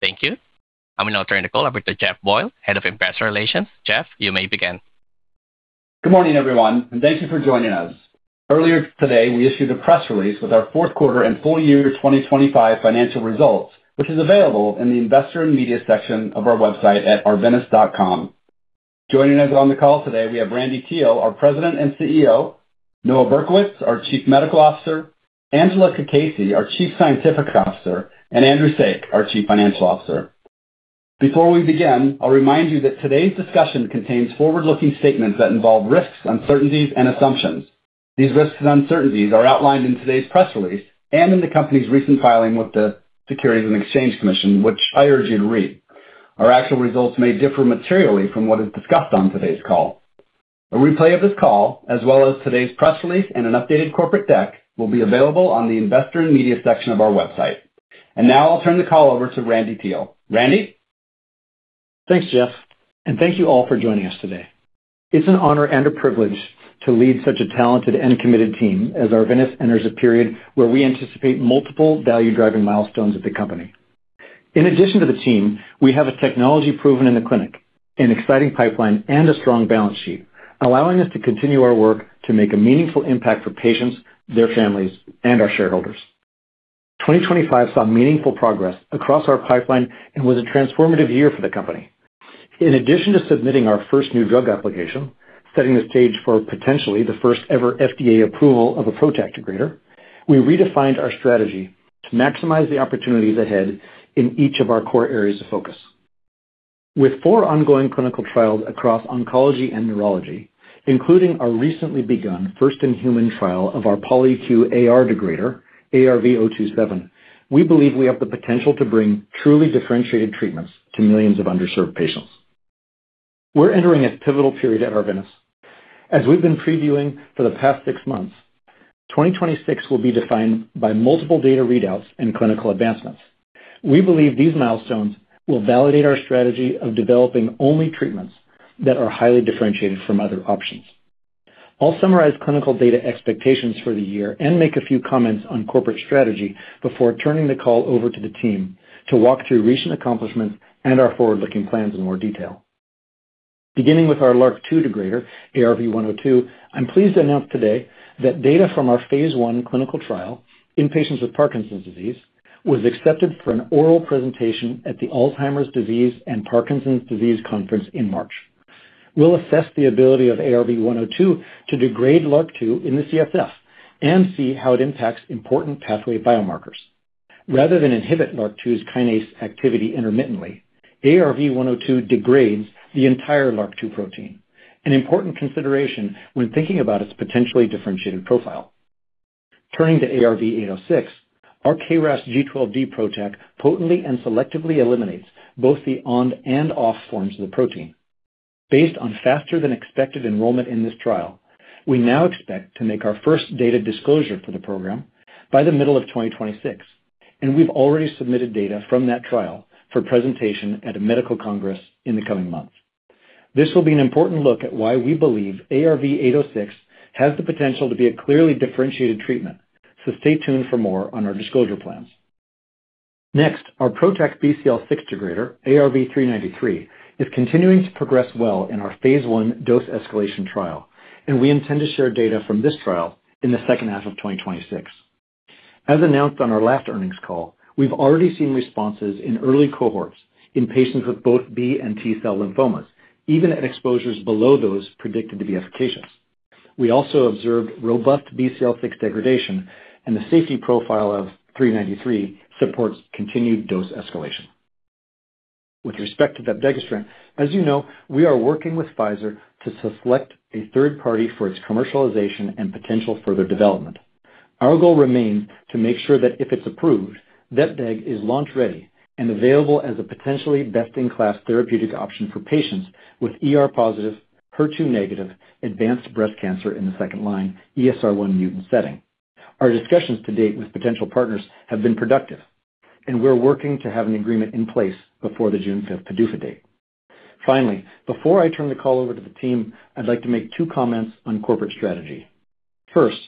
Thank you. I will now turn the call over to Jeff Boyle, Head of Investor Relations. Jeff, you may begin. Good morning, everyone, and thank you for joining us. Earlier today, we issued a press release with our fourth quarter and full year 2025 financial results, which is available in the investor and media section of our website at arvinas.com. Joining us on the call today, we have Randy Teel, our President and CEO, Noah Berkowitz, our Chief Medical Officer, Angela Cacace, our Chief Scientific Officer, and Andrew Saik, our Chief Financial Officer. Before we begin, I'll remind you that today's discussion contains forward-looking statements that involve risks, uncertainties and assumptions. These risks and uncertainties are outlined in today's press release and in the company's recent filing with the Securities and Exchange Commission, which I urge you to read. Our actual results may differ materially from what is discussed on today's call. A replay of this call, as well as today's press release and an updated corporate deck, will be available on the investor and media section of our website. Now I'll turn the call over to Randy Teel. Randy? Thanks, Jeff. Thank you all for joining us today. It's an honor and a privilege to lead such a talented and committed team as Arvinas enters a period where we anticipate multiple value-driving milestones at the company. In addition to the team, we have a technology proven in the clinic, an exciting pipeline, and a strong balance sheet, allowing us to continue our work to make a meaningful impact for patients, their families, and our shareholders. 2025 saw meaningful progress across our pipeline and was a transformative year for the company. In addition to submitting our first New Drug Application, setting the stage for potentially the first-ever FDA approval of a PROTAC degrader, we redefined our strategy to maximize the opportunities ahead in each of our core areas of focus. With four ongoing clinical trials across oncology and neurology, including our recently begun first-in-human trial of our polyQ-AR degrader, ARV-027, we believe we have the potential to bring truly differentiated treatments to millions of underserved patients. We're entering a pivotal period at Arvinas. As we've been previewing for the past six months, 2026 will be defined by multiple data readouts and clinical advancements. We believe these milestones will validate our strategy of developing only treatments that are highly differentiated from other options. I'll summarize clinical data expectations for the year and make a few comments on corporate strategy before turning the call over to the team to walk through recent accomplishments and our forward-looking plans in more detail. Beginning with our LRRK2 degrader, ARV-102, I'm pleased to announce today that data from our phase one clinical trial in patients with Parkinson's disease was accepted for an oral presentation at the Alzheimer's Disease and Parkinson's Disease Conference in March. We'll assess the ability of ARV-102 to degrade LRRK2 in the CSF and see how it impacts important pathway biomarkers. Rather than inhibit LRRK2's kinase activity intermittently, ARV-102 degrades the entire LRRK2 protein, an important consideration when thinking about its potentially differentiated profile. ARV-806, our KRAS G12D PROTAC potently and selectively eliminates both the on and off forms of the protein. Based on faster than expected enrollment in this trial, we now expect to make our first data disclosure for the program by the middle of 2026, and we've already submitted data from that trial for presentation at a medical congress in the coming months. This will be an important look at why we believe ARV-806 has the potential to be a clearly differentiated treatment, so stay tuned for more on our disclosure plans. Next, our PROTAC BCL6 degrader, ARV-393, is continuing to progress well in our Phase 1 Dose Escalation Trial, and we intend to share data from this trial in the second half of 2026. As announced on our last earnings call, we've already seen responses in early cohorts in patients with both B- and T-cell lymphomas, even at exposures below those predicted to be efficacious. We also observed robust BCL6 degradation, and the safety profile of ARV-393 supports continued dose escalation. With respect to vepdegestrant, as you know, we are working with Pfizer to select a third party for its commercialization and potential further development. Our goal remains to make sure that if it's approved, vepdegestrant is launch-ready and available as a potentially best-in-class therapeutic option for patients with ER-positive, HER2-negative, advanced breast cancer in the second-line ESR1 mutant setting. Our discussions to date with potential partners have been productive, and we're working to have an agreement in place before the June 5th PDUFA date. Finally, before I turn the call over to the team, I'd like to make two comments on corporate strategy. First,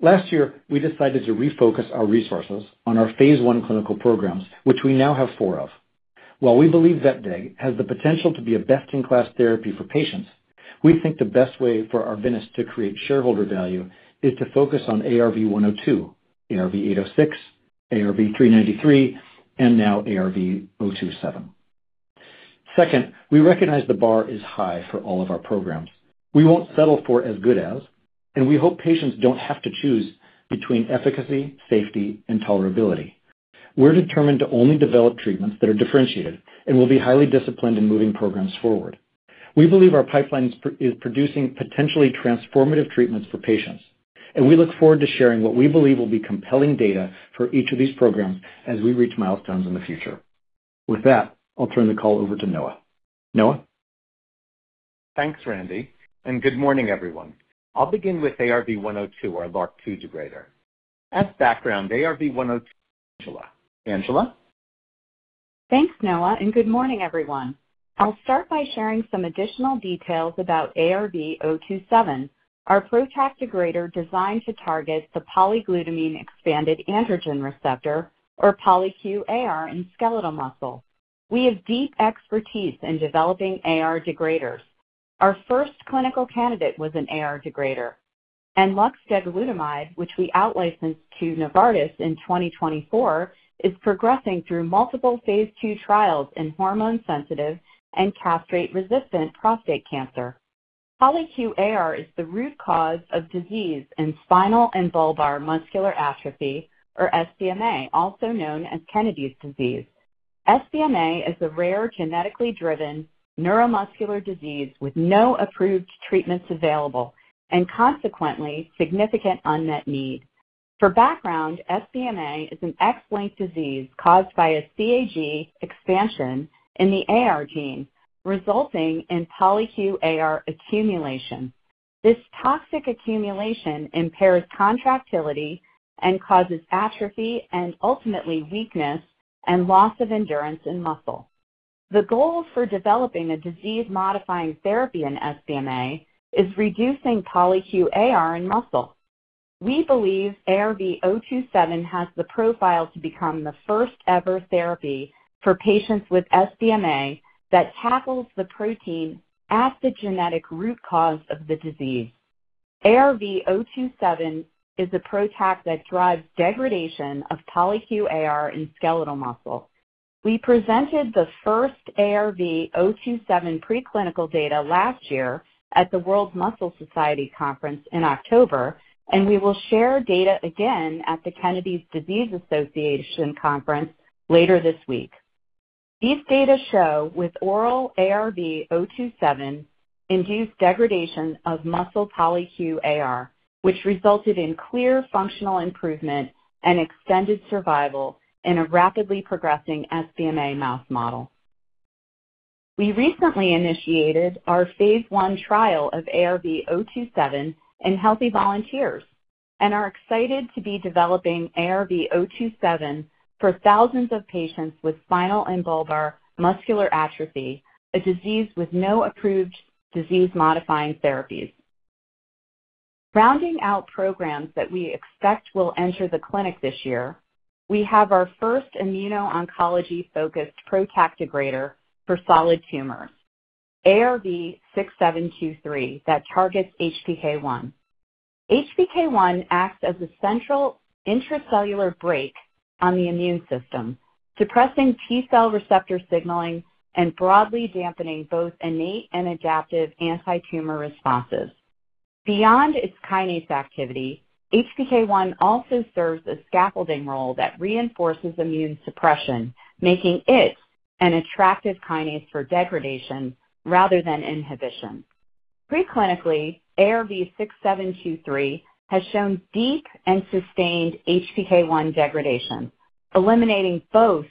last year, we decided to refocus our resources on our phase I clinical programs, which we now have four of. While we believe vepdegestrant has the potential to be a best-in-class therapy for patients, we think the best way for Arvinas to create shareholder value is to focus on ARV-102, ARV-806, ARV-393, and now ARV-027. Second, we recognize the bar is high for all of our programs. We won't settle for as good as, and we hope patients don't have to choose between efficacy, safety, and tolerability. We're determined to only develop treatments that are differentiated and will be highly disciplined in moving programs forward. We believe our pipeline is producing potentially transformative treatments for patients, and we look forward to sharing what we believe will be compelling data for each of these programs as we reach milestones in the future. With that, I'll turn the call over to Noah. Noah? Thanks, Randy. Good morning, everyone. I'll begin with ARV-102, our LRRK2 degrader. As background, ARV-102. Angela? Thanks, Noah, and good morning, everyone. I'll start by sharing some additional details about ARV-027, our PROTAC degrader designed to target the polyglutamine-expanded androgen receptor, or polyQ AR, in skeletal muscle. We have deep expertise in developing AR degraders. Our first clinical candidate was an AR degrader, luxdegalutamide, which we outlicensed to Novartis in 2024, is progressing through multiple phase II trials in hormone-sensitive and castrate-resistant prostate cancer. polyQ AR is the root cause of disease in spinal and bulbar muscular atrophy, or SBMA, also known as Kennedy's disease. SBMA is a rare, genetically driven neuromuscular disease with no approved treatments available, and consequently, significant unmet need. For background, SBMA is an X-linked disease caused by a CAG expansion in the AR gene, resulting in polyQ AR accumulation. This toxic accumulation impairs contractility and causes atrophy and ultimately weakness and loss of endurance in muscle. The goal for developing a disease-modifying therapy in SBMA is reducing polyQ AR in muscle. We believe ARV-027 has the profile to become the first-ever therapy for patients with SBMA that tackles the protein at the genetic root cause of the disease. ARV-027 is a PROTAC that drives degradation of polyQ AR in skeletal muscle. We presented the first ARV-027 preclinical data last year at the World Muscle Society Conference in October, and we will share data again at the Kennedy's Disease Association conference later this week. These data show with oral ARV-027 induced degradation of muscle polyQ AR, which resulted in clear functional improvement and extended survival in a rapidly progressing SBMA mouse model. We recently initiated our Phase 1 trial of ARV-027 in healthy volunteers and are excited to be developing ARV-027 for thousands of patients with spinal and bulbar muscular atrophy, a disease with no approved disease-modifying therapies. Rounding out programs that we expect will enter the clinic this year, we have our first immuno-oncology-focused PROTAC degrader for solid tumors, ARV-6723, that targets HPK1. HPK1 acts as a central intracellular brake on the immune system, suppressing T-cell receptor signaling and broadly dampening both innate and adaptive antitumor responses. Beyond its kinase activity, HPK1 also serves a scaffolding role that reinforces immune suppression, making it an attractive kinase for degradation rather than inhibition. Preclinically, ARV-6723 has shown deep and sustained HPK1 degradation, eliminating both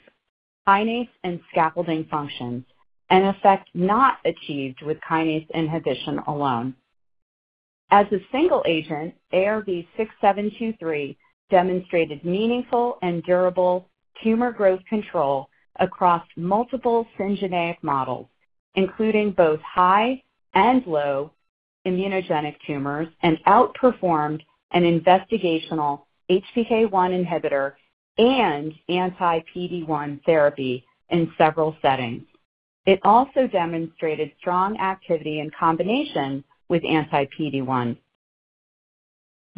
kinase and scaffolding functions, an effect not achieved with kinase inhibition alone. As a single agent, ARV-6723 demonstrated meaningful and durable tumor growth control across multiple syngeneic models, including both high and low immunogenic tumors, and outperformed an investigational HPK1 inhibitor and anti-PD-1 therapy in several settings. It also demonstrated strong activity in combination with anti-PD-1.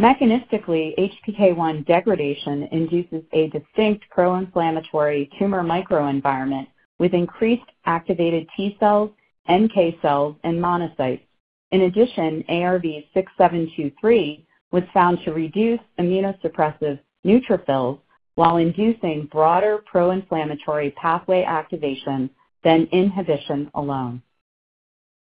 Mechanistically, HPK1 degradation induces a distinct pro-inflammatory tumor microenvironment with increased activated T cells, NK cells, and monocytes. In addition, ARV-6723 was found to reduce immunosuppressive neutrophils while inducing broader pro-inflammatory pathway activation than inhibition alone.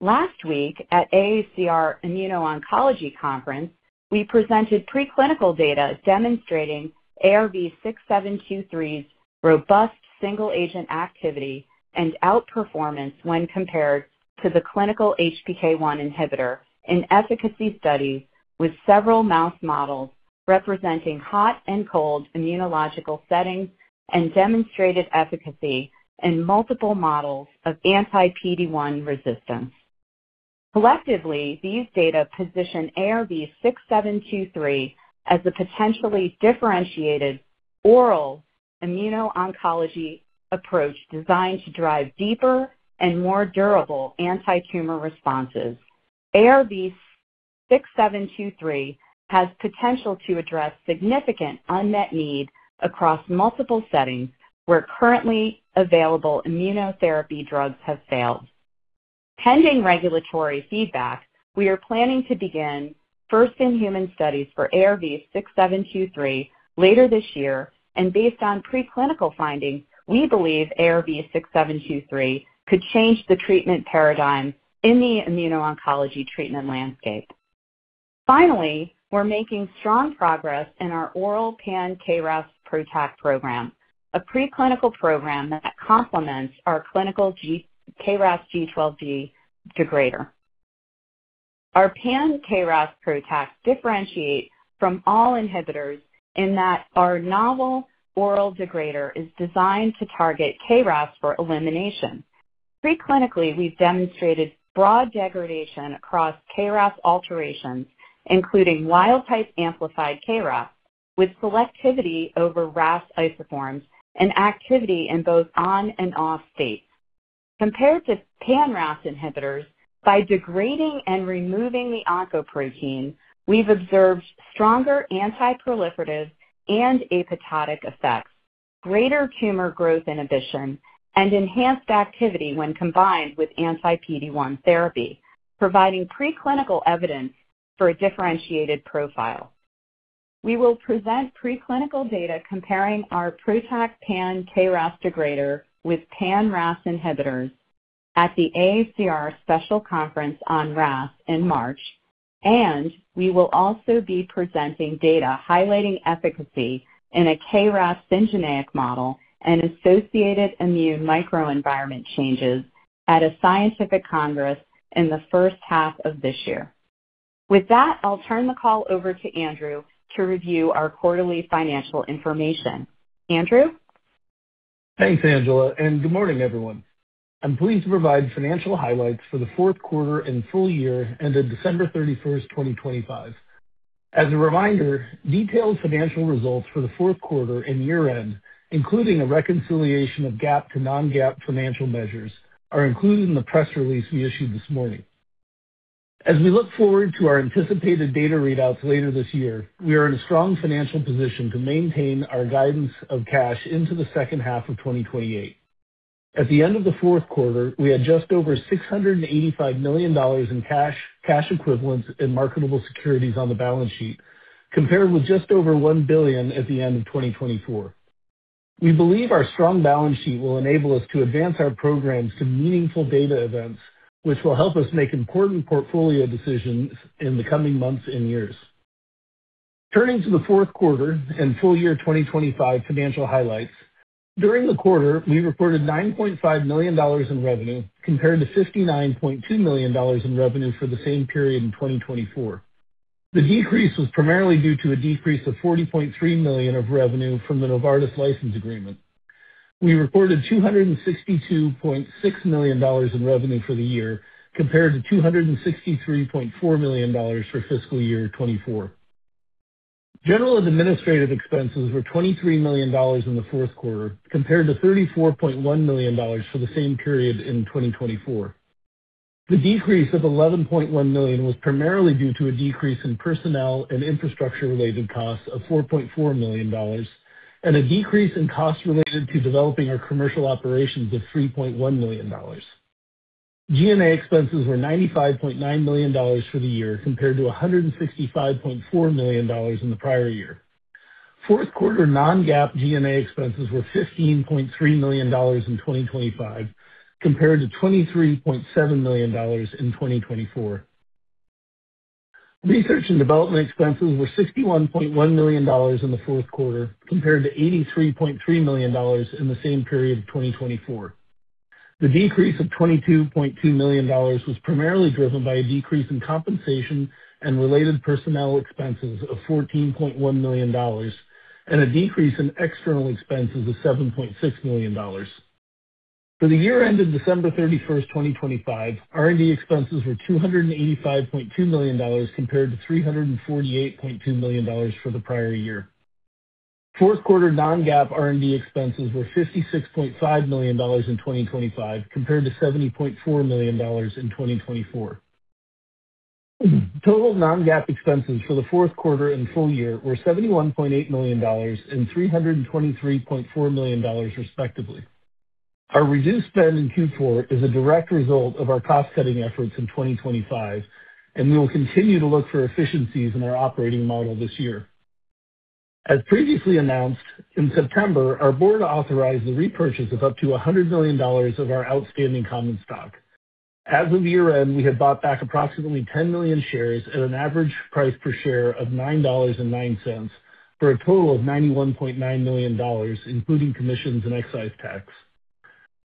Last week, at AACR Immuno-oncology Conference, we presented preclinical data demonstrating ARV-6723's robust single-agent activity and outperformance when compared to the clinical HPK1 inhibitor in efficacy studies with several mouse models representing hot and cold immunological settings, and demonstrated efficacy in multiple models of anti-PD-1 resistance. Collectively, these data position ARV-6723 as a potentially differentiated oral immuno-oncology approach designed to drive deeper and more durable antitumor responses. ARV-6723 has potential to address significant unmet need across multiple settings where currently available immunotherapy drugs have failed. Pending regulatory feedback, we are planning to begin first-in-human studies for ARV-6723 later this year, and based on preclinical findings, we believe ARV-6723 could change the treatment paradigm in the immuno-oncology treatment landscape. We're making strong progress in our oral pan-KRAS PROTAC program, a preclinical program that complements our clinical KRAS G12D degrader. Our pan-KRAS PROTAC differentiate from all inhibitors in that our novel oral degrader is designed to target KRAS for elimination. Preclinically, we've demonstrated broad degradation across KRAS alterations, including wild type amplified KRAS, with selectivity over RAS isoforms and activity in both on and off states. Compared to pan-RAS inhibitors, by degrading and removing the oncoprotein, we've observed stronger anti-proliferative and apoptotic effects, greater tumor growth inhibition, and enhanced activity when combined with anti-PD-1 therapy, providing preclinical evidence for a differentiated profile. We will present preclinical data comparing our PROTAC pan-KRAS degrader with pan-RAS inhibitors at the AACR Special Conference on RAS in March, and we will also be presenting data highlighting efficacy in a KRAS engineered model and associated immune microenvironment changes at a scientific congress in the first half of this year. With that, I'll turn the call over to Andrew to review our quarterly financial information. Andrew? Thanks, Angela. Good morning, everyone. I'm pleased to provide financial highlights for the fourth quarter and full year ended December 31st, 2025. As a reminder, detailed financial results for the fourth quarter and year-end, including a reconciliation of GAAP to non-GAAP financial measures, are included in the press release we issued this morning. As we look forward to our anticipated data readouts later this year, we are in a strong financial position to maintain our guidance of cash into the second half of 2028. At the end of the fourth quarter, we had just over $685 million in cash equivalents, and marketable securities on the balance sheet, compared with just over $1 billion at the end of 2024. We believe our strong balance sheet will enable us to advance our programs to meaningful data events, which will help us make important portfolio decisions in the coming months and years. Turning to the fourth quarter and full year 2025 financial highlights, during the quarter, we reported $9.5 million in revenue, compared to $59.2 million in revenue for the same period in 2024. The decrease was primarily due to a decrease of $40.3 million of revenue from the Novartis license agreement. We reported $262.6 million in revenue for the year, compared to $263.4 million for fiscal year 2024. General and administrative expenses were $23 million in the fourth quarter, compared to $34.1 million for the same period in 2024. The decrease of $11.1 million was primarily due to a decrease in personnel and infrastructure-related costs of $4.4 million and a decrease in costs related to developing our commercial operations of $3.1 million. SG&A expenses were $95.9 million for the year, compared to $165.4 million in the prior year. Fourth quarter non-GAAP SG&A expenses were $15.3 million in 2025, compared to $23.7 million in 2024. Research and development expenses were $61.1 million in the fourth quarter, compared to $83.3 million in the same period of 2024. The decrease of $22.2 million was primarily driven by a decrease in compensation and related personnel expenses of $14.1 million and a decrease in external expenses of $7.6 million. For the year ended December 31st, 2025, R&D expenses were $285.2 million, compared to $348.2 million for the prior year. Fourth quarter non-GAAP R&D expenses were $56.5 million in 2025, compared to $70.4 million in 2024. Total non-GAAP expenses for the fourth quarter and full year were $71.8 million and $323.4 million, respectively. Our reduced spend in Q4 is a direct result of our cost-cutting efforts in 2025. We will continue to look for efficiencies in our operating model this year. As previously announced, in September, our board authorized the repurchase of up to $100 million of our outstanding common stock. As of year-end, we had bought back approximately 10 million shares at an average price per share of $9.09, for a total of $91.9 million, including commissions and excise tax.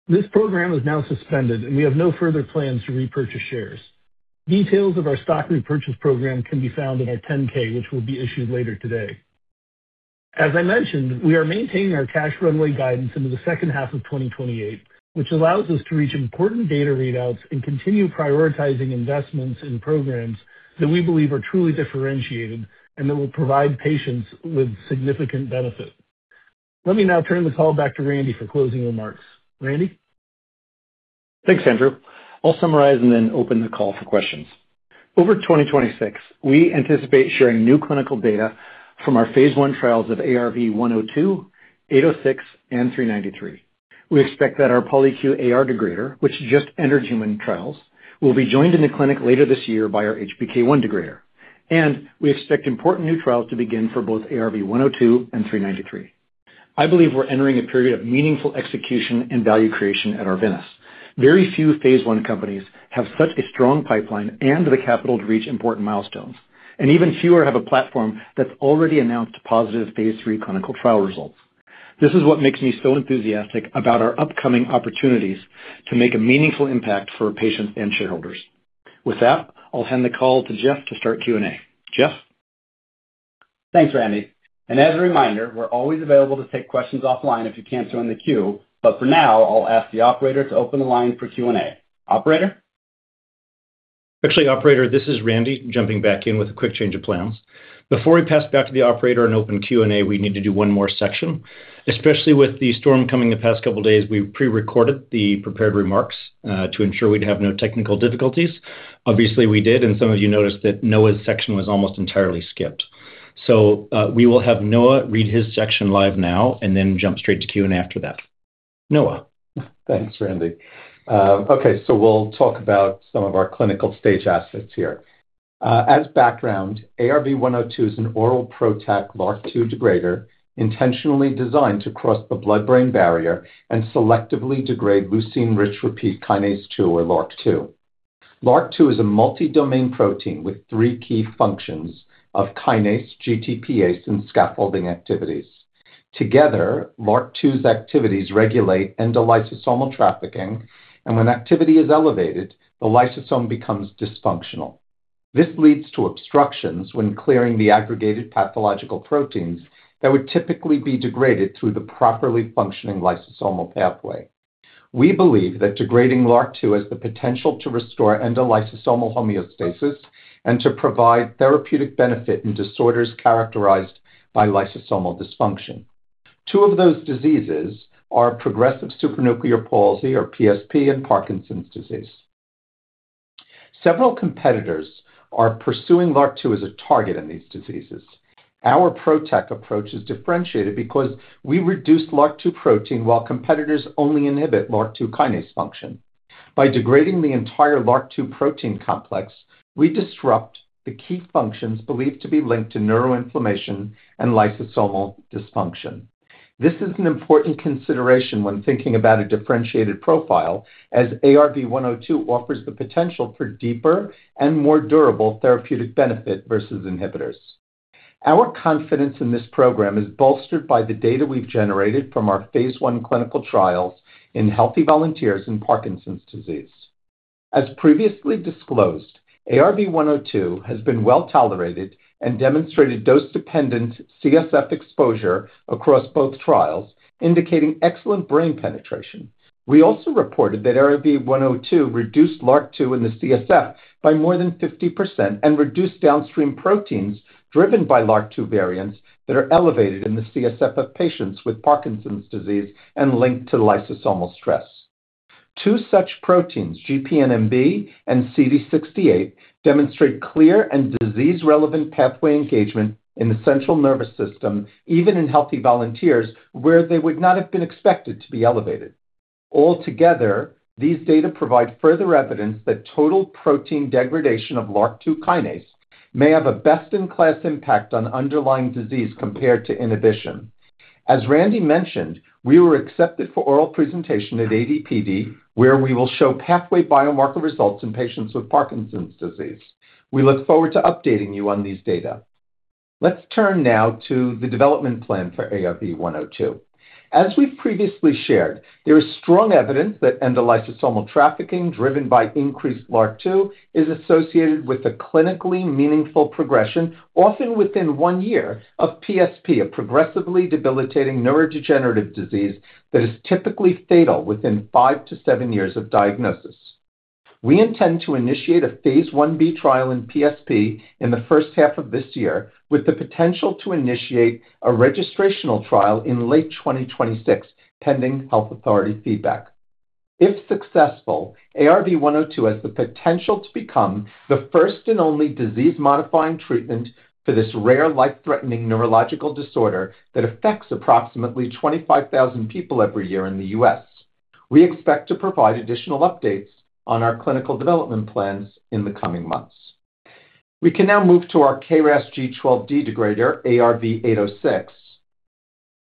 This program is now suspended, and we have no further plans to repurchase shares. Details of our stock repurchase program can be found in our 10-K, which will be issued later today. As I mentioned, we are maintaining our cash runway guidance into the second half of 2028, which allows us to reach important data readouts and continue prioritizing investments in programs that we believe are truly differentiated and that will provide patients with significant benefit. Let me now turn the call back to Randy for closing remarks. Randy? Thanks, Andrew. I'll summarize and then open the call for questions. Over 2026, we anticipate sharing new clinical data from our phase I trials of ARV-102, ARV-806, and ARV-393. We expect that our polyQ-AR degrader, which just entered human trials, will be joined in the clinic later this year by our HPK1 degrader, and we expect important new trials to begin for both ARV-102 and ARV-393. I believe we're entering a period of meaningful execution and value creation at Arvinas. Very few phase I companies have such a strong pipeline and the capital to reach important milestones, and even fewer have a platform that's already announced positive phase III clinical trial results. This is what makes me so enthusiastic about our upcoming opportunities to make a meaningful impact for our patients and shareholders. With that, I'll hand the call to Jeff to start Q&A. Jeff? Thanks, Randy. As a reminder, we're always available to take questions offline if you can't join the queue. For now, I'll ask the operator to open the line for Q&A. Operator? Actually, operator, this is Randy, jumping back in with a quick change of plans. Before we pass it back to the operator and open Q&A, we need to do one more section. Especially with the storm coming the past couple of days, we prerecorded the prepared remarks to ensure we'd have no technical difficulties. Obviously, we did, and some of you noticed that Noah's section was almost entirely skipped. We will have Noah read his section live now and then jump straight to Q&A after that. Noah. Thanks, Randy. Okay, we'll talk about some of our clinical-stage assets here. As background, ARV-102 is an oral PROTAC LRRK2 degrader, intentionally designed to cross the blood-brain barrier and selectively degrade leucine-rich repeat kinase 2 or LRRK2. LRRK2 is a multi-domain protein with three key functions of kinase, GTPase, and scaffolding activities. Together, LRRK2's activities regulate endolysosomal trafficking, and when activity is elevated, the lysosome becomes dysfunctional. This leads to obstructions when clearing the aggregated pathological proteins that would typically be degraded through the properly functioning lysosomal pathway. We believe that degrading LRRK2 has the potential to restore endolysosomal homeostasis and to provide therapeutic benefit in disorders characterized by lysosomal dysfunction. Two of those diseases are progressive supranuclear palsy or PSP and Parkinson's disease. Several competitors are pursuing LRRK2 as a target in these diseases. Our PROTAC approach is differentiated because we reduce LRRK2 protein while competitors only inhibit LRRK2 kinase function. By degrading the entire LRRK2 protein complex, we disrupt the key functions believed to be linked to neuroinflammation and lysosomal dysfunction. This is an important consideration when thinking about a differentiated profile, as ARV-102 offers the potential for deeper and more durable therapeutic benefit versus inhibitors. Our confidence in this program is bolstered by the data we've generated from our phase I clinical trials in healthy volunteers in Parkinson's disease. As previously disclosed, ARV-102 has been well tolerated and demonstrated dose-dependent CSF exposure across both trials, indicating excellent brain penetration. We also reported that ARV-102 reduced LRRK2 in the CSF by more than 50% and reduced downstream proteins driven by LRRK2 variants that are elevated in the CSF of patients with Parkinson's disease and linked to lysosomal stress. Two such proteins, GPNMB and CD68, demonstrate clear and disease-relevant pathway engagement in the central nervous system, even in healthy volunteers, where they would not have been expected to be elevated. Altogether, these data provide further evidence that total protein degradation of LRRK2 kinase may have a best-in-class impact on underlying disease compared to inhibition. As Randy mentioned, we were accepted for oral presentation at ADPD, where we will show pathway biomarker results in patients with Parkinson's disease. We look forward to updating you on these data. Let's turn now to the development plan for ARV-102. As we've previously shared, there is strong evidence that endolysosomal trafficking, driven by increased LRRK2, is associated with a clinically meaningful progression, often within 1 year of PSP, a progressively debilitating neurodegenerative disease that is typically fatal within 5-7 years of diagnosis. We intend to initiate a Phase 1B trial in PSP in the first half of this year, with the potential to initiate a registrational trial in late 2026, pending health authority feedback. If successful, ARV-102 has the potential to become the first and only disease-modifying treatment for this rare, life-threatening neurological disorder that affects approximately 25,000 people every year in the U.S. We expect to provide additional updates on our clinical development plans in the coming months. We can now move to our KRAS G12D degrader, ARV-806.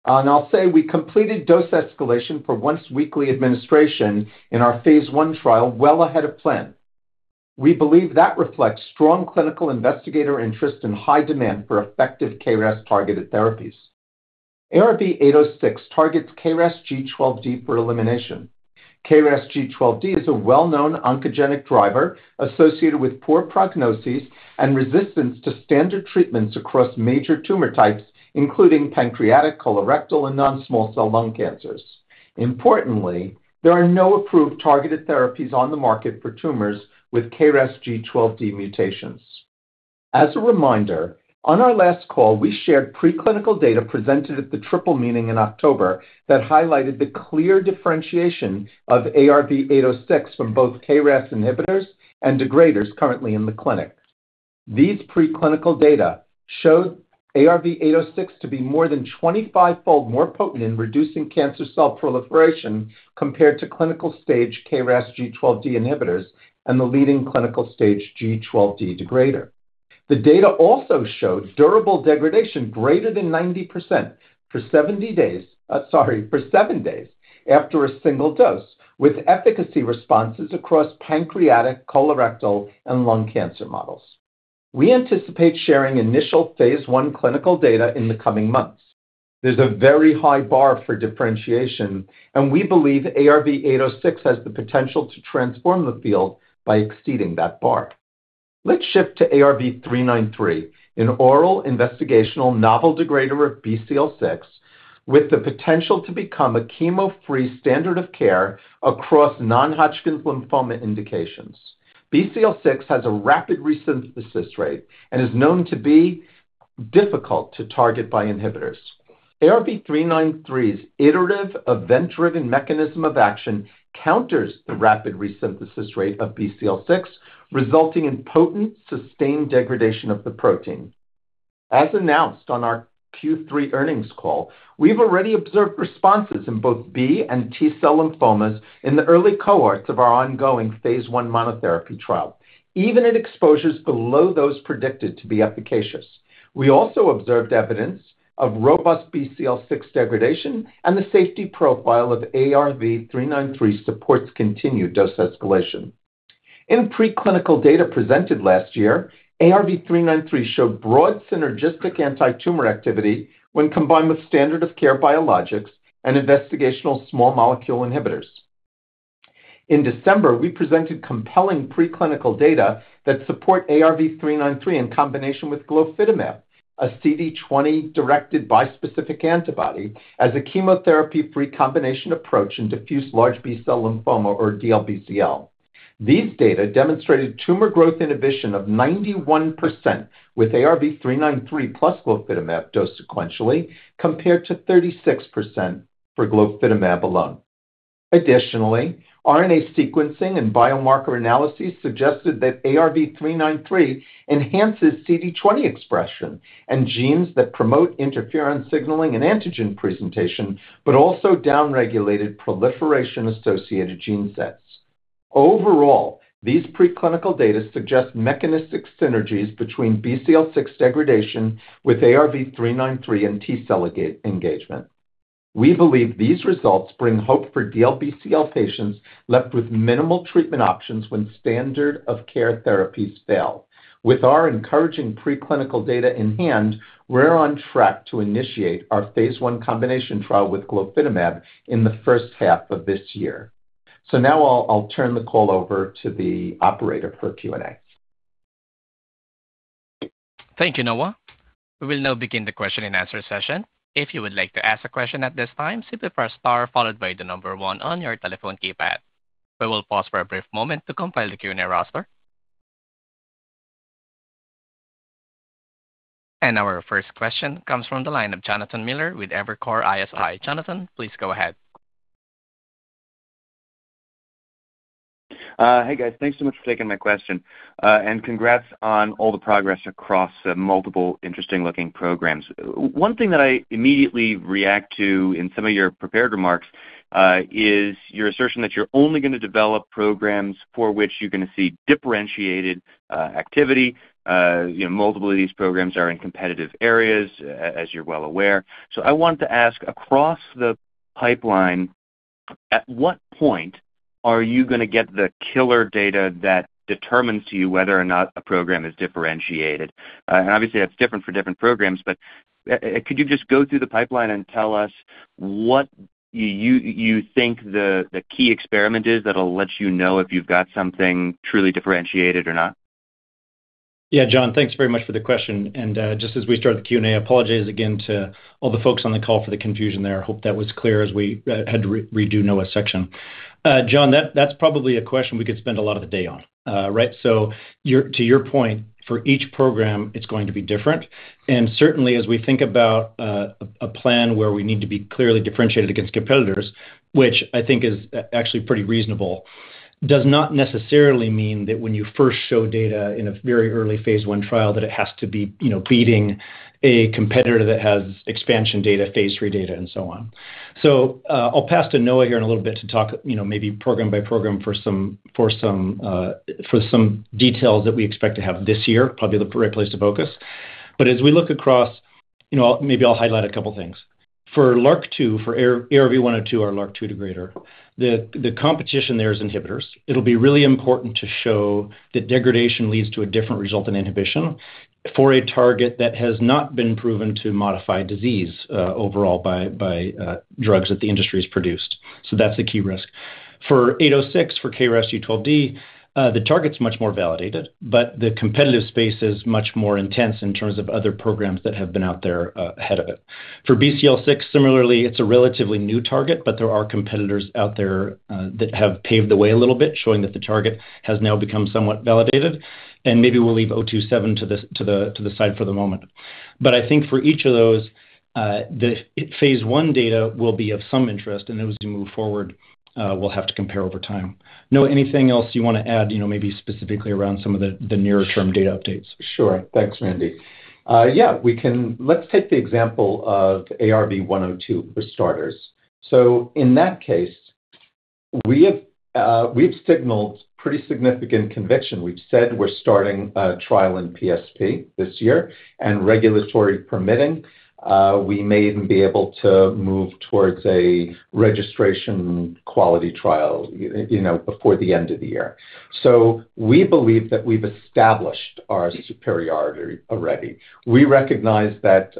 I'll say we completed dose escalation for once-weekly administration in our phase I trial, well ahead of plan. We believe that reflects strong clinical investigator interest and high demand for effective KRAS-targeted therapies. ARV-806 targets KRAS G12D for elimination. KRAS G12D is a well-known oncogenic driver associated with poor prognoses and resistance to standard treatments across major tumor types, including pancreatic, colorectal, and non-small cell lung cancers. Importantly, there are no approved targeted therapies on the market for tumors with KRAS G12D mutations. As a reminder, on our last call, we shared preclinical data presented at the Triple Meeting in October that highlighted the clear differentiation of ARV-806 from both KRAS inhibitors and degraders currently in the clinic. These preclinical data showed ARV-806 to be more than 25-fold more potent in reducing cancer cell proliferation compared to clinical stage KRAS G12D inhibitors and the leading clinical stage G12D degrader. The data also showed durable degradation greater than 90% for 70 days, for seven days after a single dose, with efficacy responses across pancreatic, colorectal, and lung cancer models. We anticipate sharing initial phase I clinical data in the coming months. We believe ARV-806 has the potential to transform the field by exceeding that bar. Let's shift to ARV-393, an oral investigational novel degrader of BCL6, with the potential to become a chemo-free standard of care across non-Hodgkin lymphoma indications. BCL6 has a rapid resynthesis rate and is known to be difficult to target by inhibitors. ARV-393's iterative event-driven mechanism of action counters the rapid resynthesis rate of BCL6, resulting in potent, sustained degradation of the protein. As announced on our Q3 earnings call, we've already observed responses in both B and T cell lymphomas in the early cohorts of our ongoing phase I monotherapy trial, even at exposures below those predicted to be efficacious. We also observed evidence of robust BCL6 degradation, and the safety profile of ARV-393 supports continued dose escalation. In preclinical data presented last year, ARV-393 showed broad synergistic antitumor activity when combined with standard of care biologics and investigational small molecule inhibitors. In December, we presented compelling preclinical data that support ARV-393 in combination with glofitamab, a CD20 directed bispecific antibody, as a chemotherapy-free combination approach in diffuse large B-cell lymphoma or DLBCL. These data demonstrated tumor growth inhibition of 91% with ARV-393 plus glofitamab dosed sequentially, compared to 36% for glofitamab alone. Additionally, RNA sequencing and biomarker analyses suggested that ARV-393 enhances CD20 expression and genes that promote interference, signaling, and antigen presentation, but also downregulated proliferation-associated gene sets. Overall, these preclinical data suggest mechanistic synergies between BCL6 degradation with ARV-393 and T cell gate engagement. We believe these results bring hope for DLBCL patients left with minimal treatment options when standard of care therapies fail. With our encouraging preclinical data in hand, we're on track to initiate our phase I combination trial with glofitamab in the first half of this year. Now I'll turn the call over to the operator for Q&A. Thank you, Noah. We will now begin the question-and-answer session. If you would like to ask a question at this time, simply press star followed by 1 on your telephone keypad. We will pause for a brief moment to compile the Q&A roster. Our first question comes from the line of Jonathan Miller with Evercore ISI. Jonathan, please go ahead. Hey, guys. Thanks so much for taking my question. Congrats on all the progress across the multiple interesting-looking programs. One thing that I immediately react to in some of your prepared remarks, is your assertion that you're only gonna develop programs for which you're gonna see differentiated activity. You know, multiple of these programs are in competitive areas, as you're well aware. I want to ask, across the pipeline, at what point are you gonna get the killer data that determines to you whether or not a program is differentiated? Obviously, that's different for different programs, but, could you just go through the pipeline and tell us what you think the key experiment is that'll let you know if you've got something truly differentiated or not? Yeah, John, thanks very much for the question. Just as we start the Q&A, I apologize again to all the folks on the call for the confusion there. I hope that was clear as we had to redo Noah's section. John, that's probably a question we could spend a lot of the day on. Right? To your point, for each program, it's going to be different, and certainly as we think about a plan where we need to be clearly differentiated against competitors, which I think is actually pretty reasonable, does not necessarily mean that when you first show data in a very early phase I trial, that it has to be, you know, beating a competitor that has expansion data, phase III data, and so on. I'll pass to Noah here in a little bit to talk, you know, maybe program by program for some details that we expect to have this year, probably the right place to focus. As we look across. You know, maybe I'll highlight a couple of things. For LRRK2, for ARV-102 or LRRK2 degrader, the competition there is inhibitors. It'll be really important to show that degradation leads to a different result in inhibition for a target that has not been proven to modify disease overall by drugs that the industry has produced. That's a key risk. For ARV-806, for KRAS G12D, the target's much more validated, but the competitive space is much more intense in terms of other programs that have been out there ahead of it. For BCL6, similarly, it's a relatively new target, but there are competitors out there, that have paved the way a little bit, showing that the target has now become somewhat validated, and maybe we'll leave 027 to the side for the moment. I think for each of those, the phase I data will be of some interest, and as we move forward, we'll have to compare over time. Noah, anything else you want to add, you know, maybe specifically around some of the nearer-term data updates? Sure. Thanks, Randy. Yeah, let's take the example of ARV-102 for starters. In that case, we have, we've signaled pretty significant conviction. We've said we're starting a trial in PSP this year, and regulatory permitting, we may even be able to move towards a registration quality trial, you know, before the end of the year. We believe that we've established our superiority already. We recognize that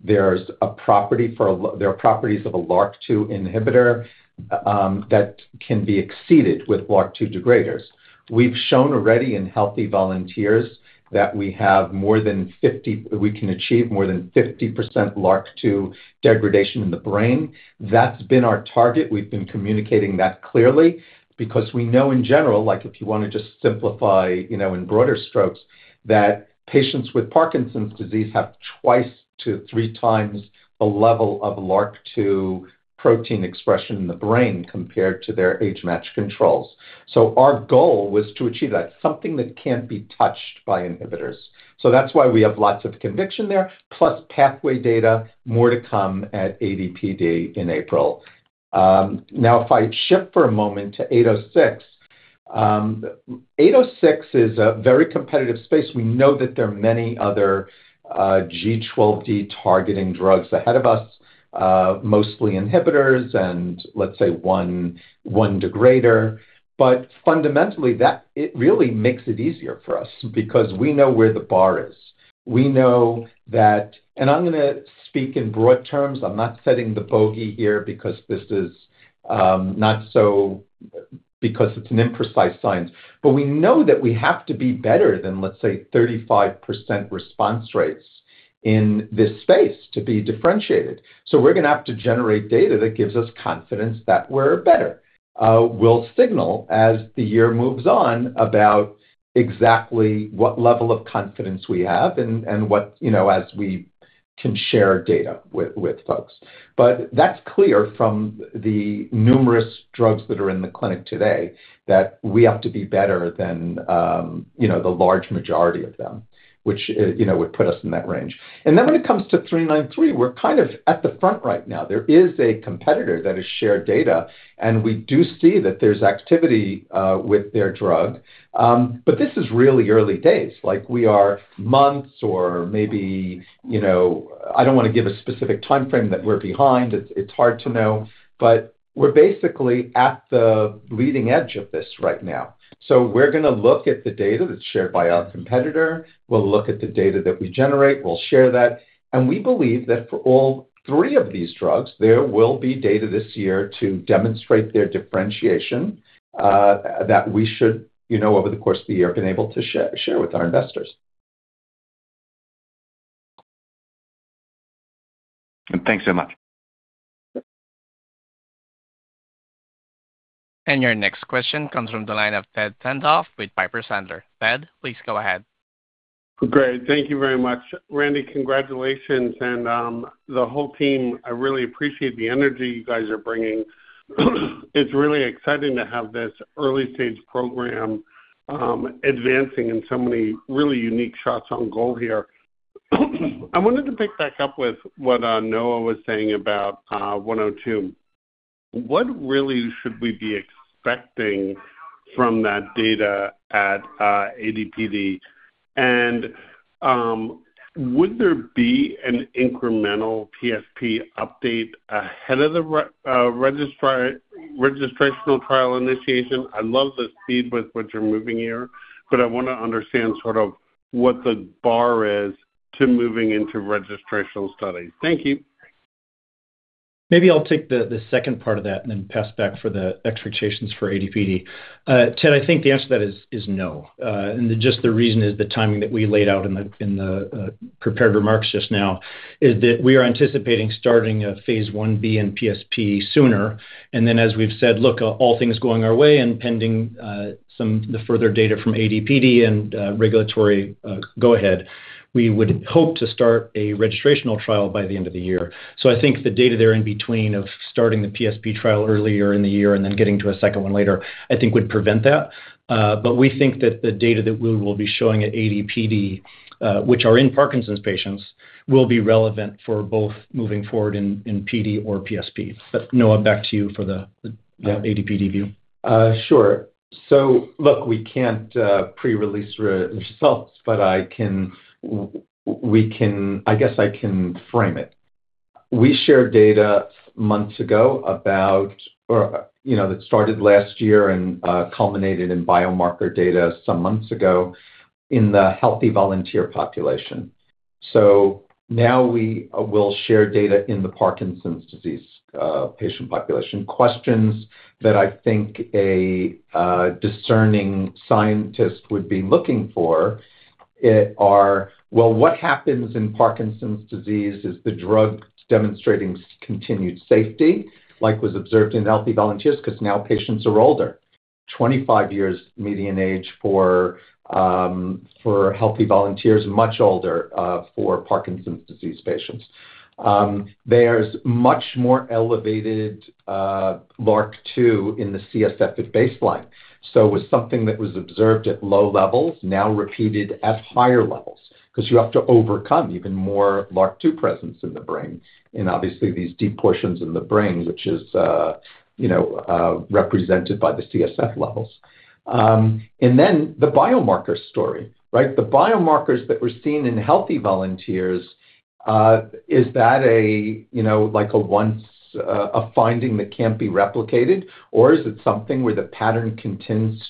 there are properties of a LRRK2 inhibitor that can be exceeded with LRRK2 degraders. We've shown already in healthy volunteers that we can achieve more than 50% LRRK2 degradation in the brain. That's been our target. We've been communicating that clearly because we know in general, if you want to just simplify, in broader strokes, that patients with Parkinson's disease have 2 to 3 times the level of LRRK2 protein expression in the brain compared to their age-matched controls. Our goal was to achieve that, something that can't be touched by inhibitors. That's why we have lots of conviction there, plus pathway data. More to come at ADPD in April. Now, if I shift for a moment to ARV-806. ARV-806 is a very competitive space. We know that there are many other G12D targeting drugs ahead of us, mostly inhibitors and let's say one degrader. Fundamentally, it really makes it easier for us because we know where the bar is. We know that, I'm gonna speak in broad terms, I'm not setting the bogey here because this is because it's an imprecise science. We know that we have to be better than, let's say, 35% response rates in this space to be differentiated. We're going to have to generate data that gives us confidence that we're better. We'll signal as the year moves on, about exactly what level of confidence we have and what, you know, as we can share data with folks. That's clear from the numerous drugs that are in the clinic today, that we have to be better than, you know, the large majority of them, which, you know, would put us in that range. When it comes to 393, we're kind of at the front right now. There is a competitor that has shared data, and we do see that there's activity with their drug. This is really early days. Like, we are months or maybe, you know, I don't want to give a specific timeframe that we're behind. It's hard to know, but we're basically at the leading edge of this right now. We're gonna look at the data that's shared by our competitor. We'll look at the data that we generate. We'll share that. We believe that for all three of these drugs, there will be data this year to demonstrate their differentiation that we should, you know, over the course of the year, been able to share with our investors. Thanks so much. Your next question comes from the line of Ted Tenthoff with Piper Sandler. Ted, please go ahead. Great. Thank you very much. Randy, congratulations and the whole team. I really appreciate the energy you guys are bringing. It's really exciting to have this early-stage program advancing in so many really unique shots on goal here. I wanted to pick back up with what Noah was saying about 102. What really should we be expecting from that data at ADPD? Would there be an incremental PSP update ahead of the registrational trial initiation? I love the speed with which you're moving here, but I wanna understand sort of what the bar is to moving into registrational studies. Thank you. Maybe I'll take the second part of that and then pass back for the expectations for ADPD. Ted, I think the answer to that is no. The reason is the timing that we laid out in the prepared remarks just now, is that we are anticipating starting a phase 1B in PSP sooner. Then, as we've said, look, all things going our way and pending the further data from ADPD and regulatory go-ahead, we would hope to start a registrational trial by the end of the year. I think the data there in between of starting the PSP trial earlier in the year and then getting to a second one later, I think would prevent that. We think that the data that we will be showing at ADPD, which are in Parkinson's patients, will be relevant for both moving forward in PD or PSP. Noah, back to you for the ADPD view. Sure. Look, we can't pre-release results, but I can, I guess I can frame it. We shared data months ago about... or, you know, that started last year and culminated in biomarker data some months ago in the healthy volunteer population. Now we will share data in the Parkinson's disease patient population. Questions that I think a discerning scientist would be looking for it, are: What happens in Parkinson's disease? Is the drug demonstrating continued safety like was observed in healthy volunteers? Now patients are older, 25 years median age for healthy volunteers, much older for Parkinson's disease patients. There's much more elevated LRRK2 in the CSF at baseline. It was something that was observed at low levels, now repeated at higher levels, because you have to overcome even more LRRK2 presence in the brain. Obviously these deep portions in the brain, which is, you know, represented by the CSF levels. The biomarker story, right? The biomarkers that were seen in healthy volunteers, is that a, you know, like a once a finding that can't be replicated, or is it something where the pattern continues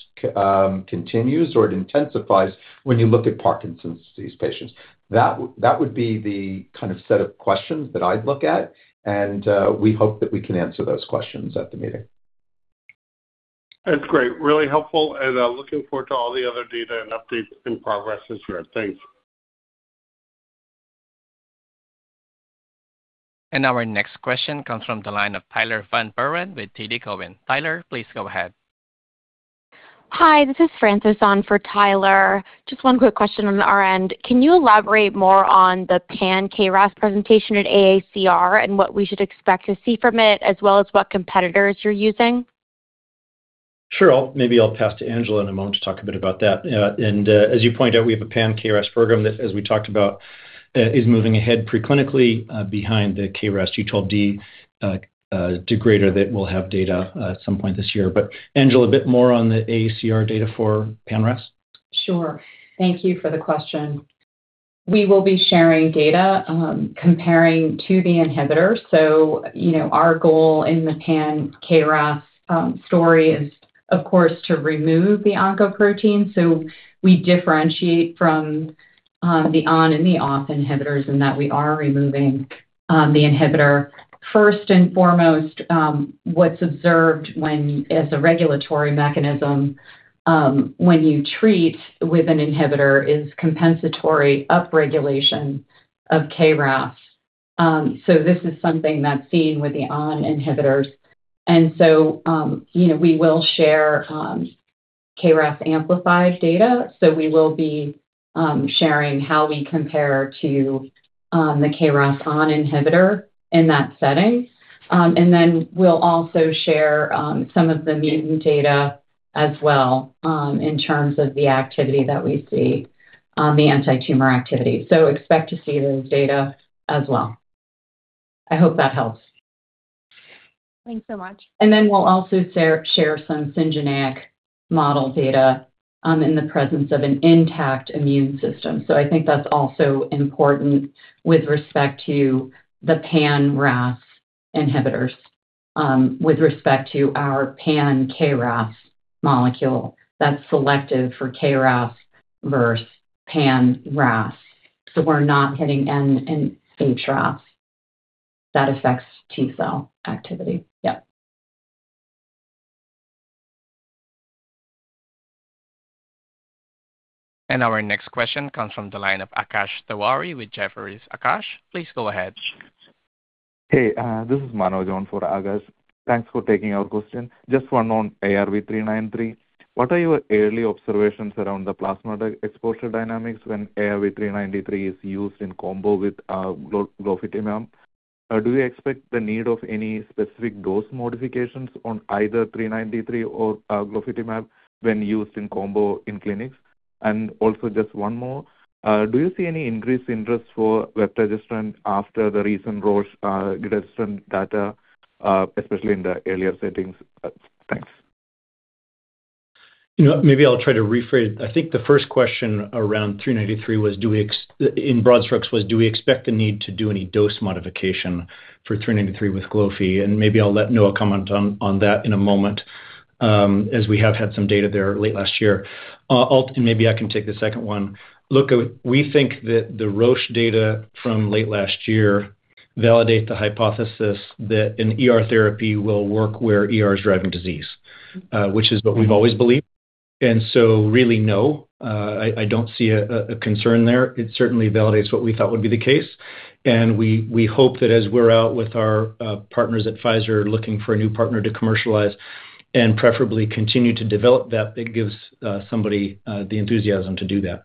or it intensifies when you look at Parkinson's disease patients? That would be the kind of set of questions that I'd look at. We hope that we can answer those questions at the meeting. That's great. Really helpful, and looking forward to all the other data and updates in progress this year. Thanks. Our next question comes from the line of Tyler Van Buren with TD Cowen. Tyler, please go ahead. Hi, this is Francis on for Tyler. Just one quick question on our end. Can you elaborate more on the pan-KRAS presentation at AACR and what we should expect to see from it, as well as what competitors you're using? Sure. Maybe I'll pass to Angela in a moment to talk a bit about that. As you point out, we have a pan-KRAS program that, as we talked about, is moving ahead pre-clinically, behind the KRAS G12D degrader that we'll have data at some point this year. Angela, a bit more on the AACR data for pan-RAS. Sure. Thank you for the question. We will be sharing data comparing to the inhibitor. You know, our goal in the pan-KRAS story is, of course, to remove the oncoprotein. We differentiate from the on and the off inhibitors, and that we are removing the inhibitor. First and foremost, what's observed when as a regulatory mechanism, when you treat with an inhibitor, is compensatory upregulation of KRAS. This is something that's seen with the on inhibitors. You know, we will share KRAS-amplified data. We will be sharing how we compare to the KRAS on inhibitor in that setting. We'll also share some of the mutant data as well, in terms of the activity that we see, the anti-tumor activity. Expect to see those data as well. I hope that helps. Thanks so much. We'll also share some syngeneic model data in the presence of an intact immune system. I think that's also important with respect to the pan-RAS inhibitors with respect to our pan-KRAS molecule, that's selective for KRAS versus pan-RAS. We're not hitting NRAS and HRAS. That affects T-cell activity. Yep. Our next question comes from the line of Akash Tewari with Jefferies. Akash, please go ahead. Hey, this is Manoj on for Akash. Thanks for taking our question. Just 1 on ARV-393. What are your early observations around the plasma exposure dynamics when ARV-393 is used in combo with glofitamab? Do we expect the need of any specific dose modifications on either 393 or glofitamab when used in combo in clinics? Also, just 1 more, do you see any increased interest for vepdegestrant after the recent Roche registration data, especially in the earlier settings? Thanks. You know, maybe I'll try to rephrase. I think the first question around ARV-393 was, in broad strokes: Do we expect the need to do any dose modification for ARV-393 with glofi? Maybe I'll let Noah comment on that in a moment, as we have had some data there late last year. Maybe I can take the second one. Look, we think that the Roche data from late last year validates the hypothesis that an ER therapy will work where ER is driving disease, which is what we've always believed. Really, no, I don't see a concern there. It certainly validates what we thought would be the case, and we hope that as we're out with our partners at Pfizer, looking for a new partner to commercialize and preferably continue to develop that, it gives somebody the enthusiasm to do that.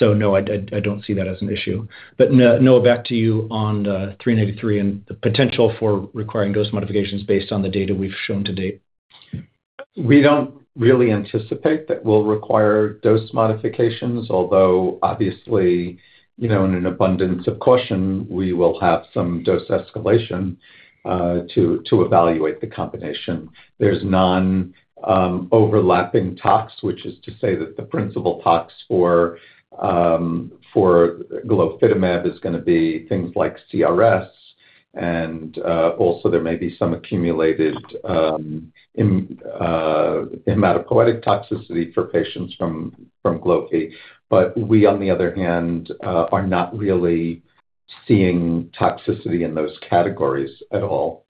No, I, I don't see that as an issue. Noah, back to you on the 393 and the potential for requiring dose modifications based on the data we've shown to date. We don't really anticipate that we'll require dose modifications, although obviously, you know, in an abundance of caution, we will have some dose escalation to evaluate the combination. There's non overlapping tox, which is to say that the principal tox for glofitamab is gonna be things like CRS, and also there may be some accumulated hematopoietic toxicity for patients from glofi. We, on the other hand, are not really seeing toxicity in those categories at all.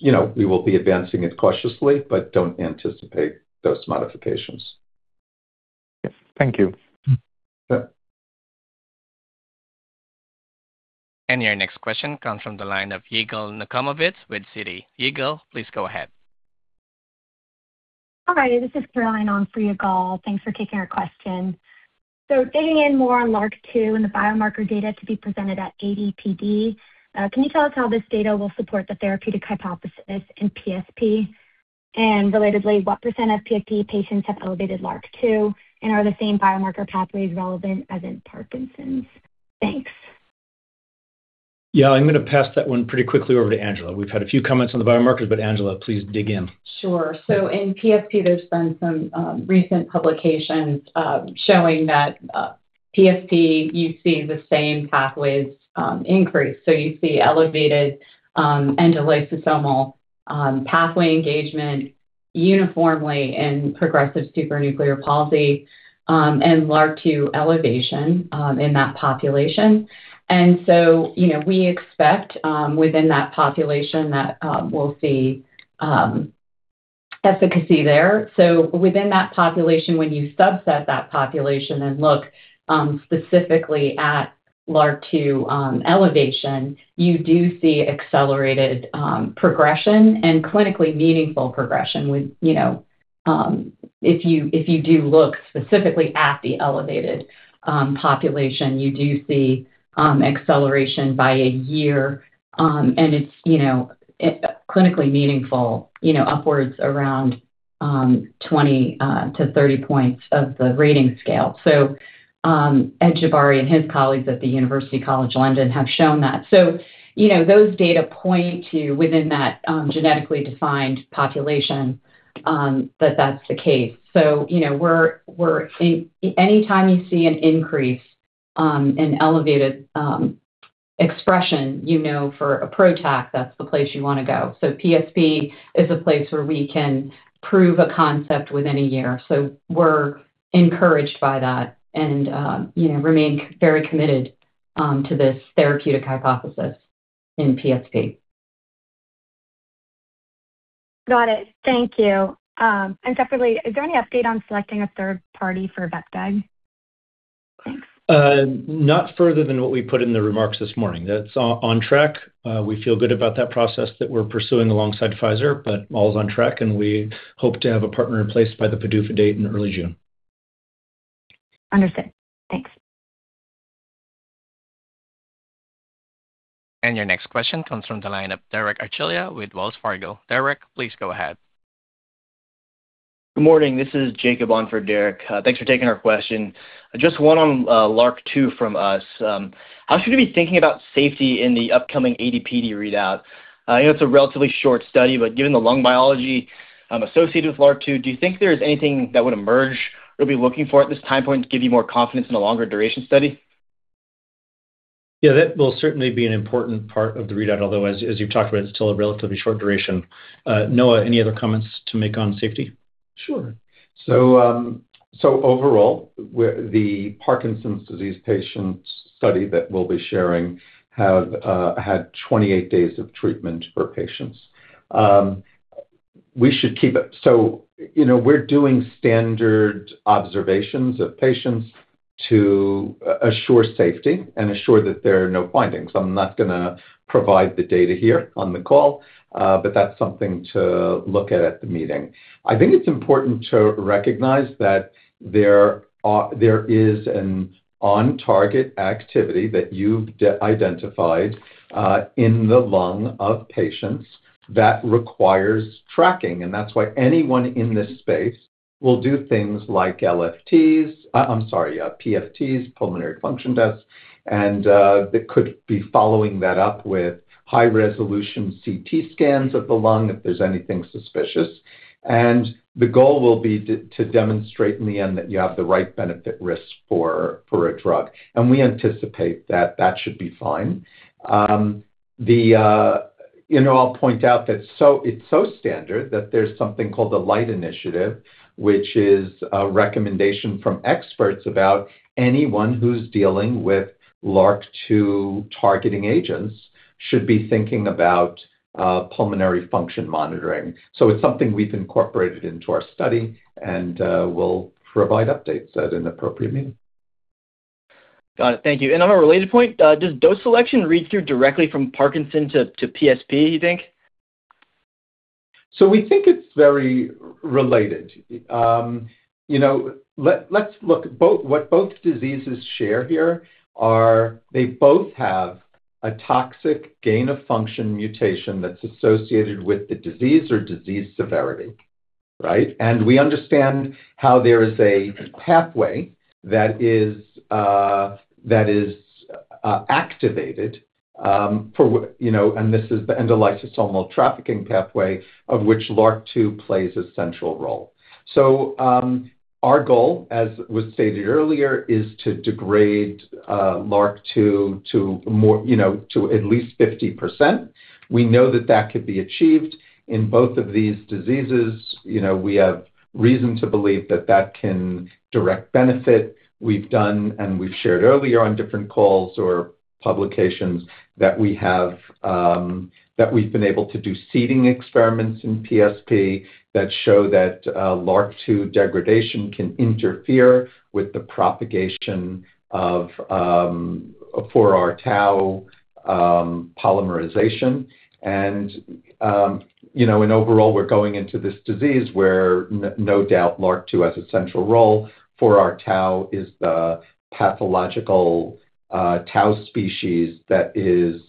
You know, we will be advancing it cautiously but don't anticipate those modifications. Thank you. Sure. Your next question comes from the line of Yigal Nochomovitz with Citi. Yigal, please go ahead. Hi, this is Caroline on for Yigal. Thanks for taking our question. Digging in more on LRRK2 and the biomarker data to be presented at ADPD, can you tell us how this data will support the therapeutic hypothesis in PSP?Relatedly, what % of PSP patients have elevated LRRK2, and are the same biomarker pathways relevant as in Parkinson's? Thanks. Yeah, I'm going to pass that one pretty quickly over to Angela. We've had a few comments on the biomarkers, but Angela, please dig in. Sure. In PSP, there's been some recent publications showing that PSP, you see the same pathways increase. You see elevated endolysosomal pathway engagement uniformly in progressive supranuclear palsy and LRRK2 elevation in that population. You know, we expect within that population that we'll see efficacy there. Within that population, when you subset that population and look specifically at LRRK2 elevation, you do see accelerated progression and clinically meaningful progression with, you know, if you, if you do look specifically at the elevated population, you do see acceleration by a year. And it's, you know, clinically meaningful, you know, upwards around 20-30 points of the rating scale. Adel Jabbari and his colleagues at the University College London have shown that. you know, those data point to within that, genetically defined population, that that's the case. you know, Anytime you see an increase, in elevated, expression, you know for a PROTAC, that's the place you want to go. PSP is a place where we can prove a concept within a year. we're encouraged by that and, you know, remain very committed, to this therapeutic hypothesis in PSP. Got it. Thank you. Separately, is there any update on selecting a third party for vepdegestrant? Thanks. Not further than what we put in the remarks this morning. That's on track. We feel good about that process that we're pursuing alongside Pfizer. All is on track, and we hope to have a partner in place by the PDUFA date in early June. Understood. Thanks. Your next question comes from the line of Derek Archila with Wells Fargo. Derek, please go ahead. Good morning. This is Jacob on for Derek. Thanks for taking our question. Just one on LRRK2 from us. How should we be thinking about safety in the upcoming ADPD readout? I know it's a relatively short study, but given the lung biology, associated with LRRK2, do you think there is anything that would emerge or be looking for at this time point to give you more confidence in a longer duration study? That will certainly be an important part of the readout, although, as you've talked about, it's still a relatively short duration. Noah, any other comments to make on safety? Sure. Overall, where the Parkinson's disease patients study that we'll be sharing have had 28 days of treatment for patients. We should keep it. You know, we're doing standard observations of patients to assure safety and assure that there are no findings. I'm not going to provide the data here on the call, but that's something to look at at the meeting. I think it's important to recognize that there is an on-target activity that you've identified in the lung of patients that requires tracking, and that's why anyone in this space will do things like LFTs, I'm sorry, PFTs, pulmonary function tests, and they could be following that up with high-resolution CT scans of the lung, if there's anything suspicious. The goal will be to demonstrate in the end that you have the right benefit risk for a drug. We anticipate that that should be fine. You know, I'll point out that it's so standard that there's something called the LIGHT Initiative, which is a recommendation from experts about anyone who's dealing with LRRK2 targeting agents should be thinking about pulmonary function monitoring. It's something we've incorporated into our study, and we'll provide updates at an appropriate meeting. Got it. Thank you. On a related point, does dose selection read through directly from Parkinson to PSP, you think? We think it's very related. you know, let's look, what both diseases share here are they both have a toxic gain-of-function mutation that's associated with the disease or disease severity, right? We understand how there is a pathway that is activated, for what, you know, and this is the endolysosomal trafficking pathway, of which LRRK2 plays a central role. Our goal, as was stated earlier, is to degrade LRRK2 to more, you know, to at least 50%. We know that that could be achieved in both of these diseases. You know, we have reason to believe that that can direct benefit. We've done, and we've shared earlier on different calls or publications, that we have, that we've been able to do seeding experiments in PSP that show that LRRK2 degradation can interfere with the propagation of 4R tau polymerization. You know, and overall, we're going into this disease where no doubt LRRK2 has a central role for our tau is the pathological tau species that is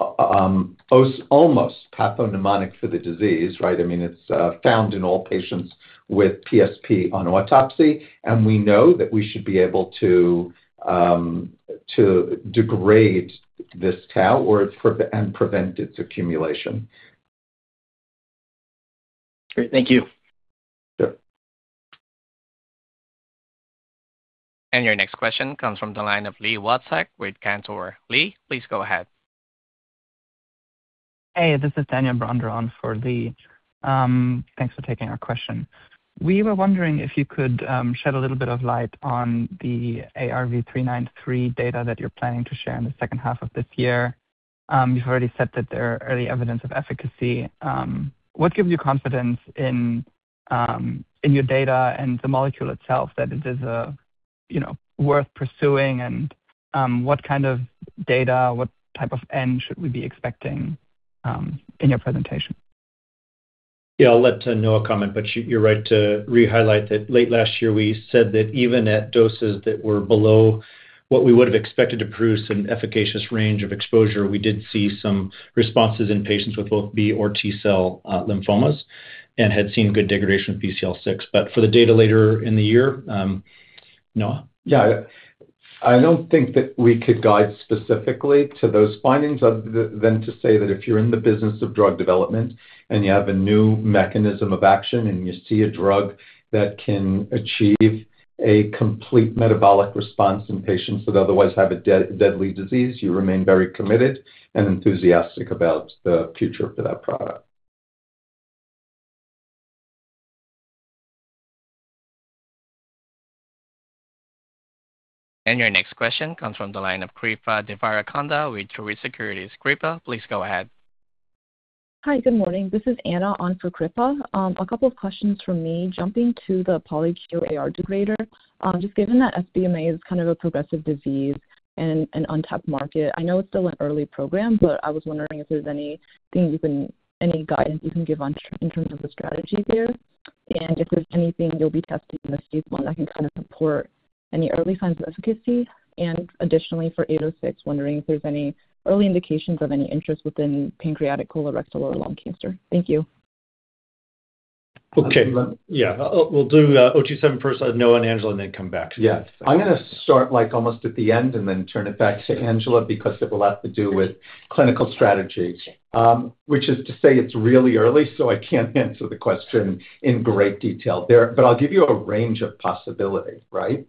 almost pathognomonic for the disease, right? I mean, it's found in all patients with PSP on autopsy. We know that we should be able to to degrade this tau or its and prevent its accumulation. Great. Thank you. Sure. Your next question comes from the line of Lee Watzek with Cantor. Lee, please go ahead. Hey, this is Daniel Bronder for Lee. Thanks for taking our question. We were wondering if you could shed a little bit of light on the ARV-393 data that you're planning to share in the second half of this year. You've already said that there are early evidence of efficacy. What gives you confidence in in your data and the molecule itself, that it is, you know, worth pursuing? What kind of data, what type of end should we be expecting in your presentation? I'll let Noah comment, you're right to re-highlight that late last year, we said that even at doses that were below what we would have expected to produce an efficacious range of exposure, we did see some responses in patients with both B or T cell, lymphomas and had seen good degradation of BCL6. For the data later in the year, Noah? Yeah. I don't think that we could guide specifically to those findings other than to say that if you're in the business of drug development and you have a new mechanism of action, and you see a drug that can achieve a complete metabolic response in patients that otherwise have a deadly disease, you remain very committed and enthusiastic about the future for that product. Your next question comes from the line of Srikripa Devarakonda with Truist Securities. Kripa, please go ahead. Hi, good morning. This is Anna on for Kripa. A couple of questions from me. Jumping to the polyQ-AR degrader, just given that SBMA is kind of a progressive disease and an untapped market, I know it's still an early program, but I was wondering if there's Any guidance you can give on, in terms of the strategy there, and if there's anything you'll be testing in this phase I that can kind of support any early signs of efficacy. Additionally, for 806, wondering if there's any early indications of any interest within pancreatic, colorectal or lung cancer. Thank you. We'll do ARV-027 first, Noah and Angela, and then come back. I'm gonna start, like, almost at the end and then turn it back to Angela because it will have to do with clinical strategy. Which is to say it's really early, so I can't answer the question in great detail there, but I'll give you a range of possibilities, right?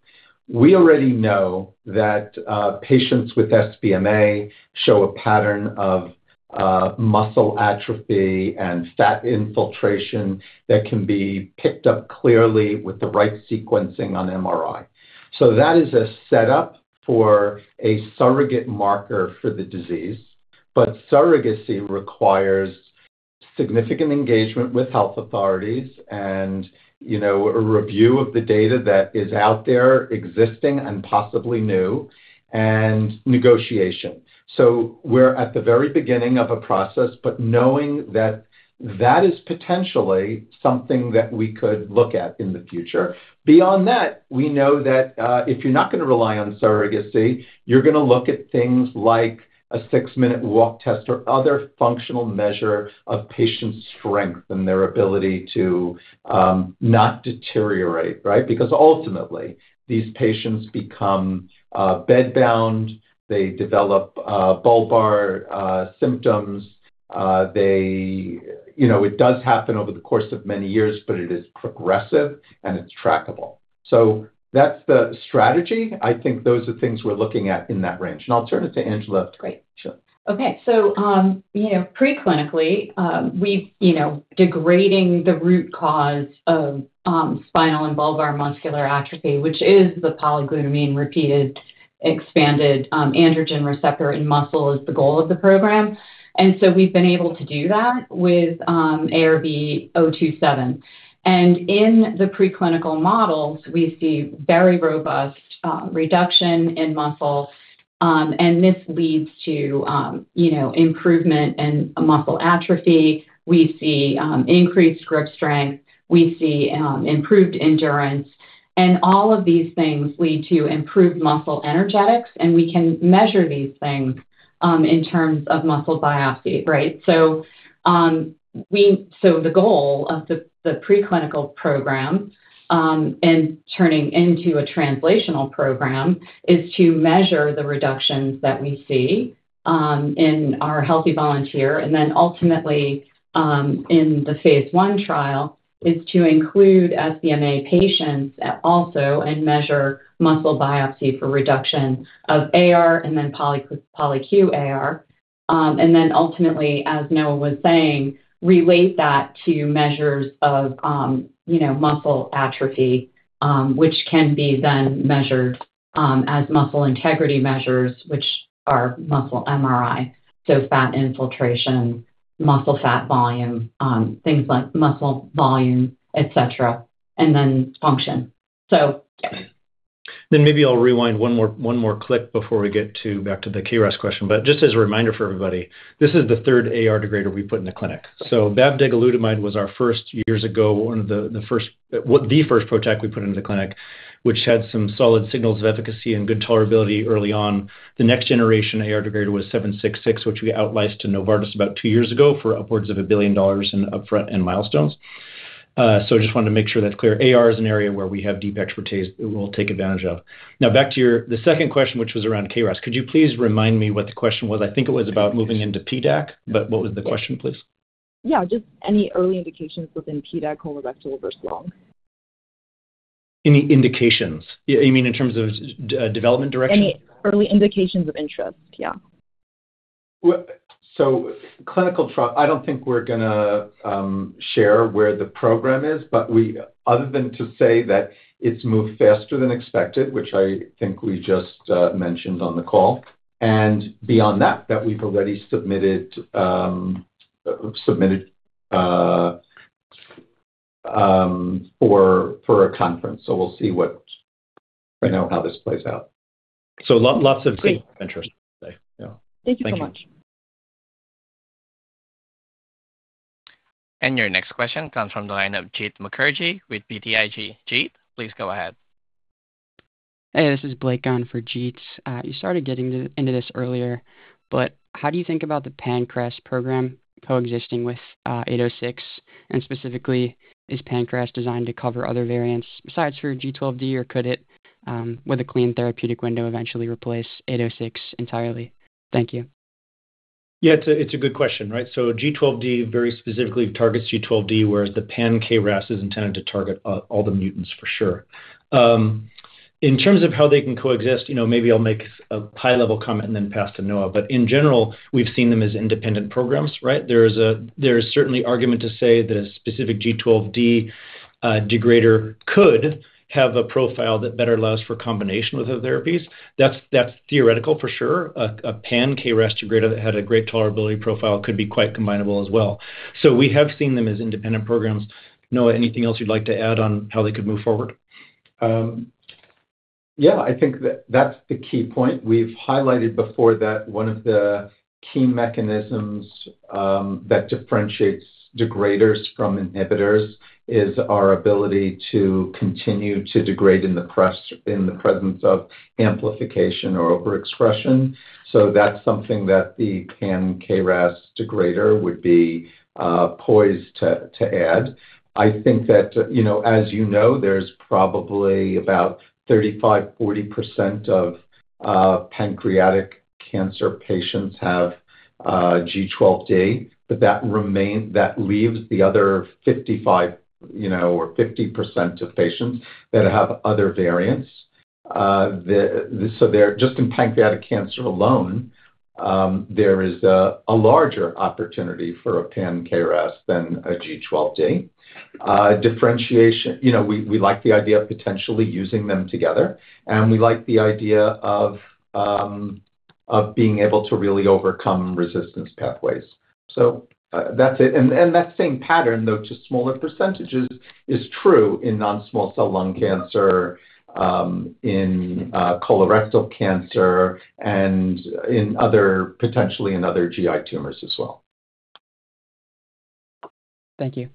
We already know that patients with SBMA show a pattern of muscle atrophy and fat infiltration that can be picked up clearly with the right sequencing on MRI. That is a setup for a surrogate marker for the disease, but surrogacy requires significant engagement with health authorities and, you know, a review of the data that is out there existing and possibly new, and negotiation. We're at the very beginning of a process, but knowing that that is potentially something that we could look at in the future. Beyond that, we know that if you're not gonna rely on surrogacy, you're gonna look at things like a six-minute walk test or other functional measure of patients' strength and their ability to not deteriorate, right? Because ultimately, these patients become bedbound, they develop bulbar symptoms, they, you know, it does happen over the course of many years, but it is progressive and it's trackable. That's the strategy. I think those are things we're looking at in that range, and I'll turn it to Angela. Great. Sure. Okay, you know, preclinically, we've, you know, degrading the root cause of spinal and bulbar muscular atrophy, which is the polyglutamine repeated, expanded, androgen receptor in muscle, is the goal of the program. We've been able to do that with ARV-027. In the preclinical models, we see very robust reduction in muscle, and this leads to, you know, improvement in muscle atrophy. We see increased grip strength, we see improved endurance, and all of these things lead to improved muscle energetics, and we can measure these things in terms of muscle biopsy, right? The goal of the preclinical program and turning into a translational program is to measure the reductions that we see in our healthy volunteer, and then ultimately in the phase I trial, is to include SBMA patients also and measure muscle biopsy for reduction of AR and then polyQ AR. Ultimately, as Noah was saying, relate that to measures of, you know, muscle atrophy, which can be then measured as muscle integrity measures, which are muscle MRI. Fat infiltration, muscle fat volume, things like muscle volume, et cetera, and then function. Maybe I'll rewind one more click before we get back to the KRAS question. Just as a reminder for everybody, this is the third AR degrader we put in the clinic. bavdegalutamide was our first years ago, one of the first PROTAC we put into the clinic, which had some solid signals of efficacy and good tolerability early on. The next generation AR degrader was 766, which we outlicensed to Novartis about two years ago for upwards of $1 billion in upfront and milestones. Just wanted to make sure that's clear. AR is an area where we have deep expertise we will take advantage of. Back to your second question, which was around KRAS. Could you please remind me what the question was? I think it was about moving into PDAC, but what was the question, please? Yeah, just any early indications within PDAC colorectal versus lung. Any indications? You mean in terms of development direction? Any early indications of interest, yeah. Clinical trial, I don't think we're gonna share where the program is, other than to say that it's moved faster than expected, which I think we just mentioned on the call. Beyond that we've already submitted for a conference. We'll see what, we know how this plays out. Lots of good interest today. Great. Yeah. Thank you so much. Thank you much. Your next question comes from the line of Jeet Mukherjee with BTIG. Jeet, please go ahead. Hey, this is Blake on for Jeet. You started getting into this earlier, how do you think about the pan-KRAS program coexisting with ARV-806? Specifically, is pan-KRAS designed to cover other variants besides for G12D, or could it, with a clean therapeutic window, eventually replace ARV-806 entirely? Thank you. Yeah, it's a, it's a good question, right? G12D very specifically targets G12D, whereas the pan-KRAS is intended to target all the mutants for sure. In terms of how they can coexist, you know, maybe I'll make a high-level comment and then pass to Noah. In general, we've seen them as independent programs, right? There is certainly argument to say that a specific G12D degrader could have a profile that better allows for combination with other therapies. That's theoretical for sure. A pan-KRAS degrader that had a great tolerability profile could be quite combinable as well. We have seen them as independent programs. Noah, anything else you'd like to add on how they could move forward? Yeah, I think that that's the key point. We've highlighted before that one of the key mechanisms that differentiates degraders from inhibitors is our ability to continue to degrade in the presence of amplification or overexpression. That's something that the pan-KRAS degrader would be poised to add. I think that, you know, as you know, there's probably about 35%-40% of pancreatic cancer patients have G12D, but that leaves the other 55% or 50% of patients that have other variants. Just in pancreatic cancer alone, there is a larger opportunity for a pan-KRAS than a G12D. Differentiation, you know, we like the idea of potentially using them together, and we like the idea of being able to really overcome resistance pathways. That's it. That same pattern, though to smaller percentages, is true in non-small cell lung cancer, in colorectal cancer and in other, potentially in other GI tumors as well. Thank you.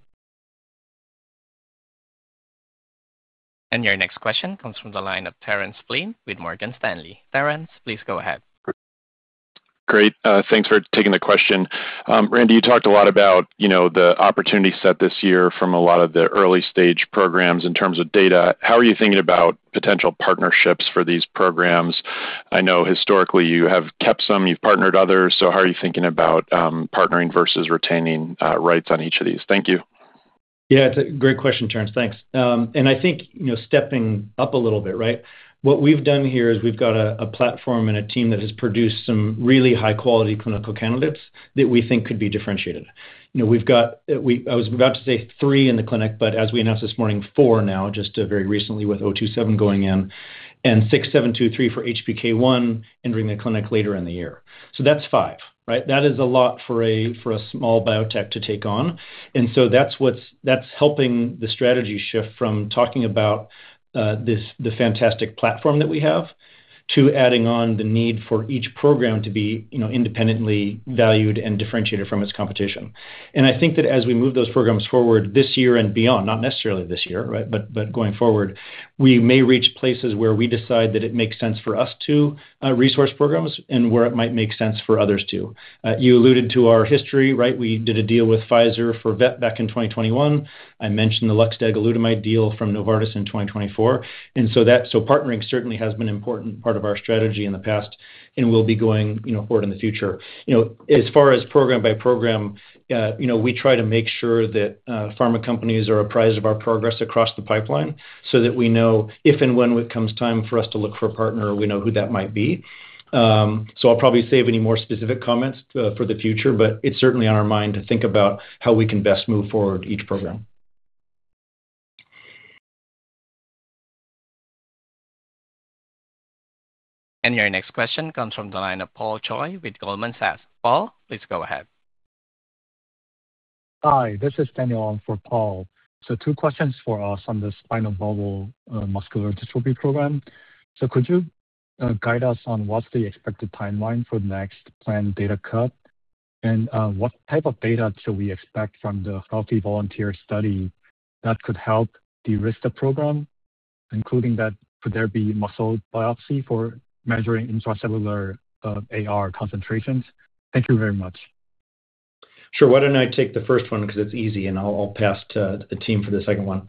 Your next question comes from the line of Terence Flynn with Morgan Stanley. Terence, please go ahead. Great. Thanks for taking the question. Randy, you talked a lot about, you know, the opportunity set this year from a lot of the early-stage programs in terms of data. How are you thinking about potential partnerships for these programs? I know historically you have kept some, you've partnered others, so how are you thinking about partnering versus retaining rights on each of these? Thank you. Yeah, it's a great question, Terence. Thanks. I think, you know, stepping up a little bit, right? What we've done here is we've got a platform and a team that has produced some really high-quality clinical candidates that we think could be differentiated. You know, I was about to say three in the clinic, but as we announced this morning, four now, just very recently with 27 going in, and 6723 for HPK1, entering the clinic later in the year. That's five, right? That is a lot for a small biotech to take on. That's helping the strategy shift from talking about this, the fantastic platform that we have, to adding on the need for each program to be, you know, independently valued and differentiated from its competition. I think that as we move those programs forward this year and beyond, not necessarily this year, right, but going forward, we may reach places where we decide that it makes sense for us to resource programs and where it might make sense for others, too. You alluded to our history, right? We did a deal with Pfizer for Vep back in 2021. I mentioned the luxdegalutamide deal from Novartis in 2024. Partnering certainly has been an important part of our strategy in the past and will be going, you know, forward in the future. You know, as far as program by program, you know, we try to make sure that pharma companies are apprised of our progress across the pipeline so that we know if and when it comes time for us to look for a partner, we know who that might be. I'll probably save any more specific comments for the future, but it's certainly on our mind to think about how we can best move forward each program. Your next question comes from the line of Paul Choi with Goldman Sachs. Paul, please go ahead. Hi, this is Daniel on for Paul. Two questions for us on the spinal bulbar muscular atrophy program. Could you guide us on what's the expected timeline for the next planned data cut? What type of data should we expect from the healthy volunteer study that could help de-risk the program?... including that, could there be muscle biopsy for measuring intracellular AR concentrations? Thank you very much. Sure. Why don't I take the first one because it's easy, and I'll pass to the team for the second one.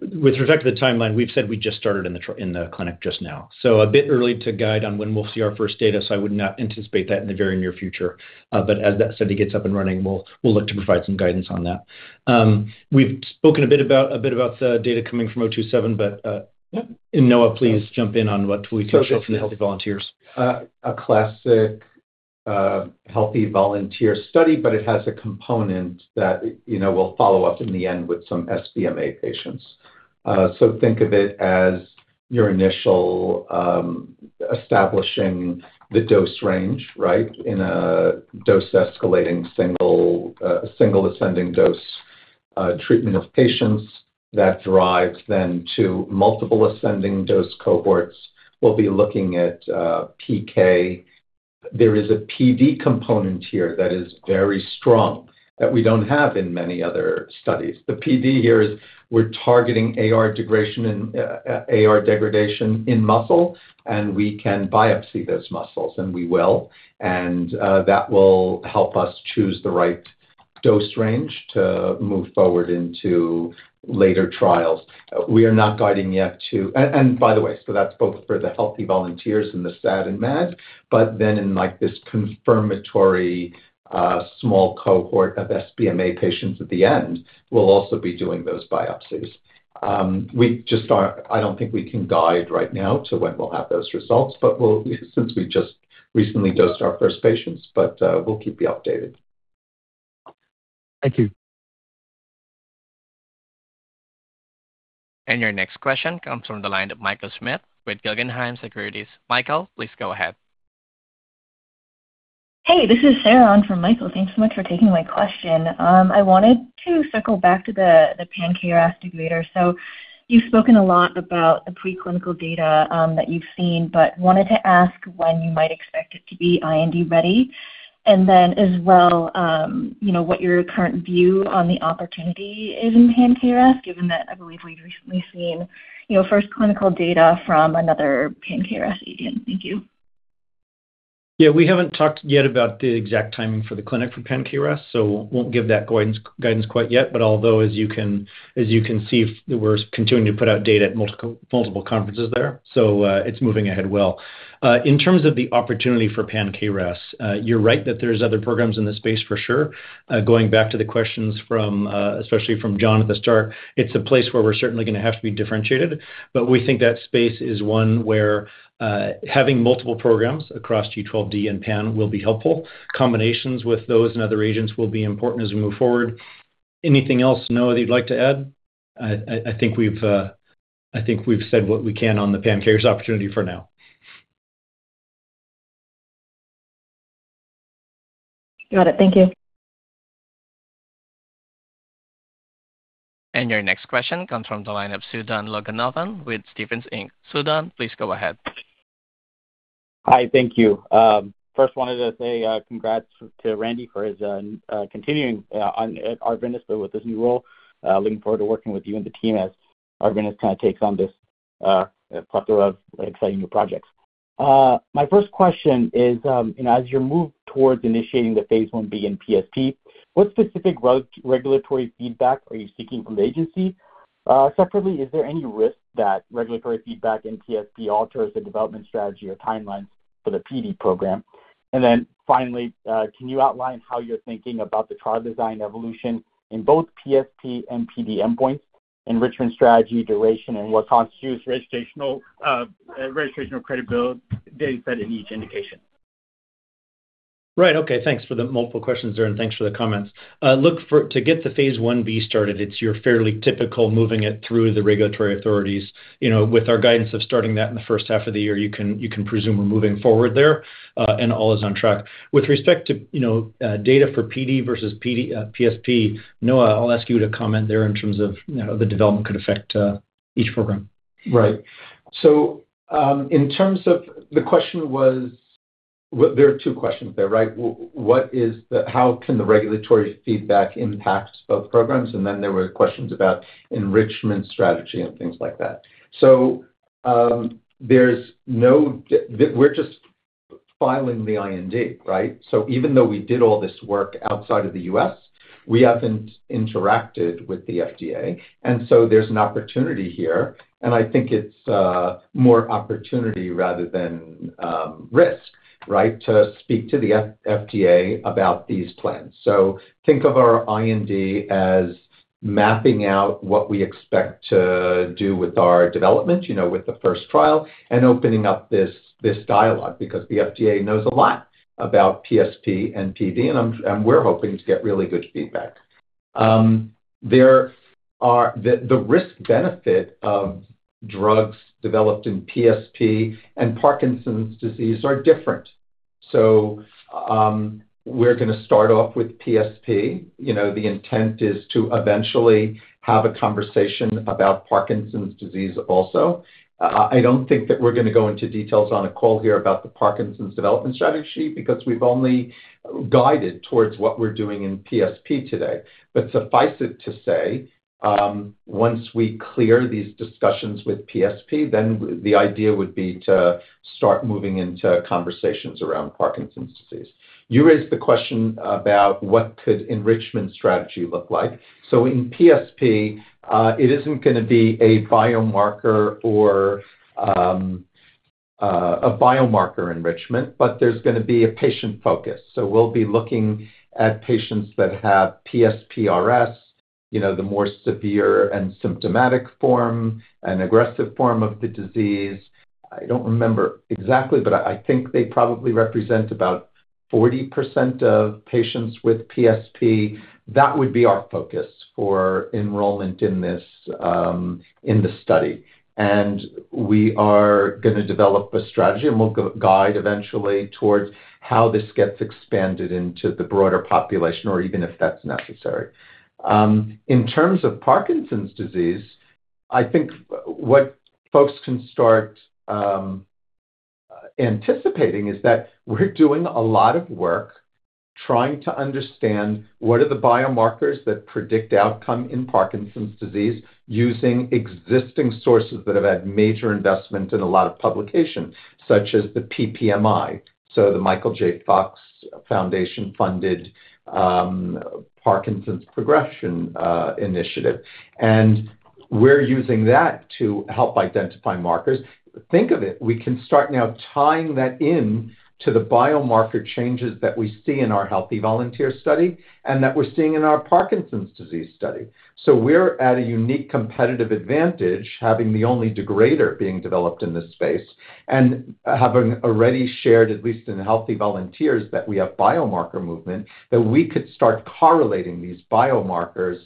With respect to the timeline, we've said we just started in the clinic just now, so a bit early to guide on when we'll see our first data, so I would not anticipate that in the very near future. As that study gets up and running, we'll look to provide some guidance on that. We've spoken a bit about the data coming from ARV-027, but, yeah, and Noah, please jump in on what we can show from the healthy volunteers. A classic healthy volunteer study, it has a component that, you know, we'll follow up in the end with some SBMA patients. Think of it as your initial establishing the dose range, right? In a dose-escalating single ascending dose treatment of patients. That drives then to multiple ascending dose cohorts. We'll be looking at PK. There is a PD component here that is very strong, that we don't have in many other studies. The PD here is we're targeting AR degradation in muscle, and we can biopsy those muscles, and we will, and that will help us choose the right dose range to move forward into later trials. We are not guiding yet to... By the way, that's both for the healthy volunteers and the SAD and MAD, in, like, this confirmatory, small cohort of SBMA patients at the end, we'll also be doing those biopsies. I don't think we can guide right now to when we'll have those results, but we'll, since we just recently dosed our first patients, but we'll keep you updated. Thank you. Your next question comes from the line of Michael Smith with Guggenheim Securities. Michael, please go ahead. Hey, this is Sarah on for Michael. Thanks so much for taking my question. I wanted to circle back to the pan-KRAS inhibitor. You've spoken a lot about the preclinical data that you've seen, but wanted to ask when you might expect it to be IND ready. Then as well, you know, what your current view on the opportunity in pan-KRAS, given that I believe we've recently seen, you know, first clinical data from another pan-KRAS agent. Thank you. We haven't talked yet about the exact timing for the clinic for pan-KRAS, so won't give that guidance quite yet. Although, as you can see, we're continuing to put out data at multiple conferences there, so it's moving ahead well. In terms of the opportunity for pan-KRAS, you're right that there's other programs in this space for sure. Going back to the questions from, especially from John at the start, it's a place where we're certainly going to have to be differentiated, but we think that space is one where having multiple programs across G12D and pan will be helpful. Combinations with those and other agents will be important as we move forward. Anything else, Noah, that you'd like to add? I think we've said what we can on the pan-KRAS opportunity for now. Got it. Thank you. Your next question comes from the line of Sudan Loganathan with Stephens Inc. Sudan, please go ahead. Hi, thank you. first wanted to say congrats to Randy for his continuing on, at Arvinas, but with his new role. looking forward to working with you and the team as Arvinas kind of takes on this plethora of exciting new projects. my first question is, you know, as you move towards initiating the phase 1B in PSP, what specific regulatory feedback are you seeking from the agency? separately, is there any risk that regulatory feedback in PSP alters the development strategy or timelines for the PD program? Finally, can you outline how you're thinking about the trial design evolution in both PSP and PD endpoints, enrichment strategy, duration, and what constitutes registrational credibility data set in each indication? Right. Okay, thanks for the multiple questions there, and thanks for the comments. Look to get the phase 1B started, it's your fairly typical moving it through the regulatory authorities. You know, with our guidance of starting that in the first half of the year, you can presume we're moving forward there. All is on track. With respect to, you know, data for PD versus PSP, Noah, I'll ask you to comment there in terms of, you know, how the development could affect each program. Right. In terms of... The question was, well, there are two questions there, right? What is the, how can the regulatory feedback impact both programs? There were questions about enrichment strategy and things like that. There's no, we're just filing the IND, right? Even though we did all this work outside of the U.S., we haven't interacted with the FDA, there's an opportunity here, and I think it's more opportunity rather than risk, right? To speak to the FDA about these plans. Think of our IND as mapping out what we expect to do with our development, you know, with the first trial, and opening up this dialogue because the FDA knows a lot about PSP and PD, and we're hoping to get really good feedback. There are, the risk-benefit of drugs developed in PSP and Parkinson's disease are different. We're gonna start off with PSP. You know, the intent is to eventually have a conversation about Parkinson's disease also. I don't think that we're gonna go into details on a call here about the Parkinson's development strategy, because we've only guided towards what we're doing in PSP today. Suffice it to say, once we clear these discussions with PSP, then the idea would be to start moving into conversations around Parkinson's disease. You raised the question about what could enrichment strategy look like. In PSP, it isn't gonna be a biomarker or a biomarker enrichment, but there's gonna be a patient focus. We'll be looking at patients that have PSP-RS, you know, the more severe and symptomatic form and aggressive form of the disease. I think they probably represent about 40% of patients with PSP. That would be our focus for enrollment in this in the study. We are gonna develop a strategy, and we'll guide eventually towards how this gets expanded into the broader population or even if that's necessary. In terms of Parkinson's disease, I think what folks can start anticipating is that we're doing a lot of work trying to understand what are the biomarkers that predict outcome in Parkinson's disease, using existing sources that have had major investment in a lot of publications, such as the PPMI, so The Michael J. Fox Foundation-funded Parkinson's Progression Initiative. We're using that to help identify markers. Think of it, we can start now tying that in to the biomarker changes that we see in our healthy volunteer study, and that we're seeing in our Parkinson's disease study. We're at a unique competitive advantage, having the only degrader being developed in this space, and having already shared, at least in healthy volunteers, that we have biomarker movement, that we could start correlating these biomarkers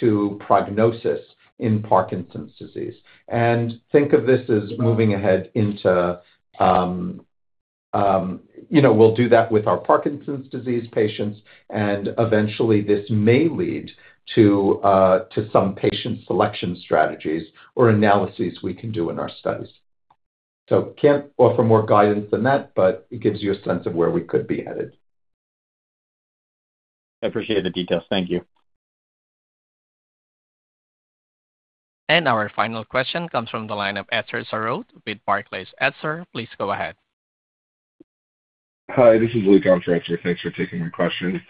to prognosis in Parkinson's disease. Think of this as moving ahead into, you know, we'll do that with our Parkinson's disease patients, and eventually this may lead to some patient selection strategies or analyses we can do in our studies. Can't offer more guidance than that, but it gives you a sense of where we could be headed. I appreciate the details. Thank you. Our final question comes from the line of Etzer Sarot with Barclays. Etzer, please go ahead. Hi, this is Luke on for Etzer. Thanks for taking my question.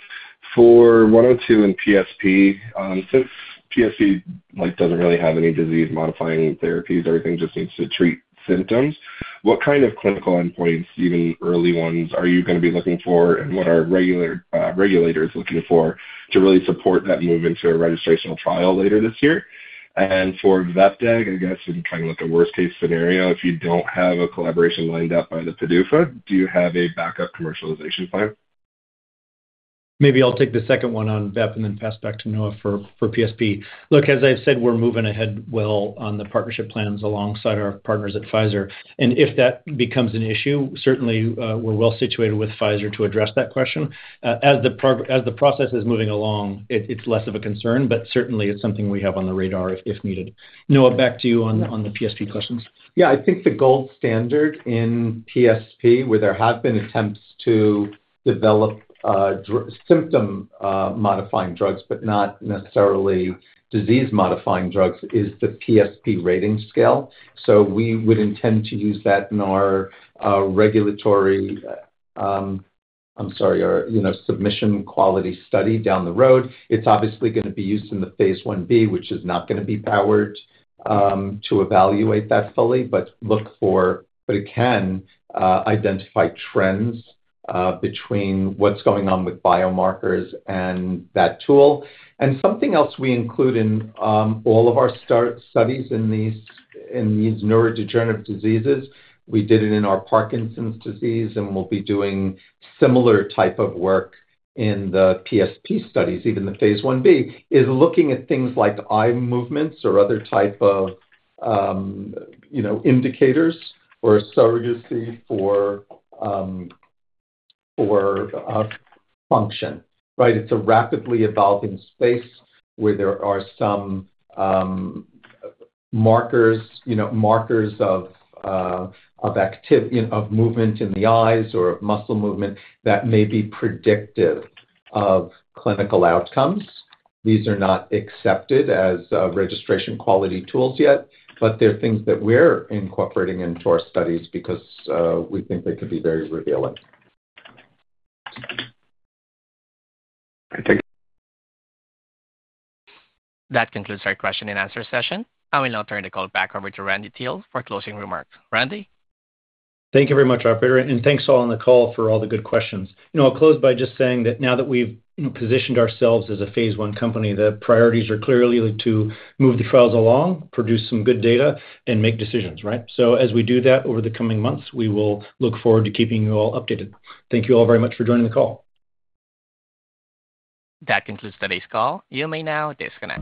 For 102 and PSP, since PSP, like, doesn't really have any disease-modifying therapies, everything just needs to treat symptoms, what kind of clinical endpoints, even early ones, are you gonna be looking for? What are regulators looking for to really support that move into a registrational trial later this year? For vepdegestrant, I guess, in kind of like a worst-case scenario, if you don't have a collaboration lined up by the PDUFA, do you have a backup commercialization plan? Maybe I'll take the second one on Vep and then pass back to Noah for PSP. Look, as I've said, we're moving ahead well on the partnership plans alongside our partners at Pfizer. If that becomes an issue, certainly, we're well situated with Pfizer to address that question. As the process is moving along, it's less of a concern, but certainly it's something we have on the radar if needed. Noah, back to you on the PSP questions. Yeah. I think the gold standard in PSP, where there have been attempts to develop, symptom modifying drugs, but not necessarily disease-modifying drugs, is the PSP rating scale. We would intend to use that in our regulatory, I'm sorry, our, you know, submission quality study down the road. It's obviously gonna be used in the phase 1B, which is not gonna be powered to evaluate that fully, but it can identify trends between what's going on with biomarkers and that tool. Something else we include in all of our start studies in these neurodegenerative diseases, we did it in our Parkinson's disease, and we'll be doing similar type of work in the PSP studies, even the phase 1B, is looking at things like eye movements or other type of, you know, indicators or surrogacy for function, right? It's a rapidly evolving space where there are some markers, you know, markers of movement in the eyes or muscle movement that may be predictive of clinical outcomes. These are not accepted as registration quality tools yet, but they're things that we're incorporating into our studies because we think they could be very revealing. Great. Thank you. That concludes our question and answer session. I will now turn the call back over to Randy Teel for closing remarks. Randy? Thank you very much, operator, thanks all on the call for all the good questions. You know, I'll close by just saying that now that we've positioned ourselves as a phase one company, the priorities are clearly to move the trials along, produce some good data, and make decisions, right? As we do that over the coming months, we will look forward to keeping you all updated. Thank you all very much for joining the call. That concludes today's call. You may now disconnect.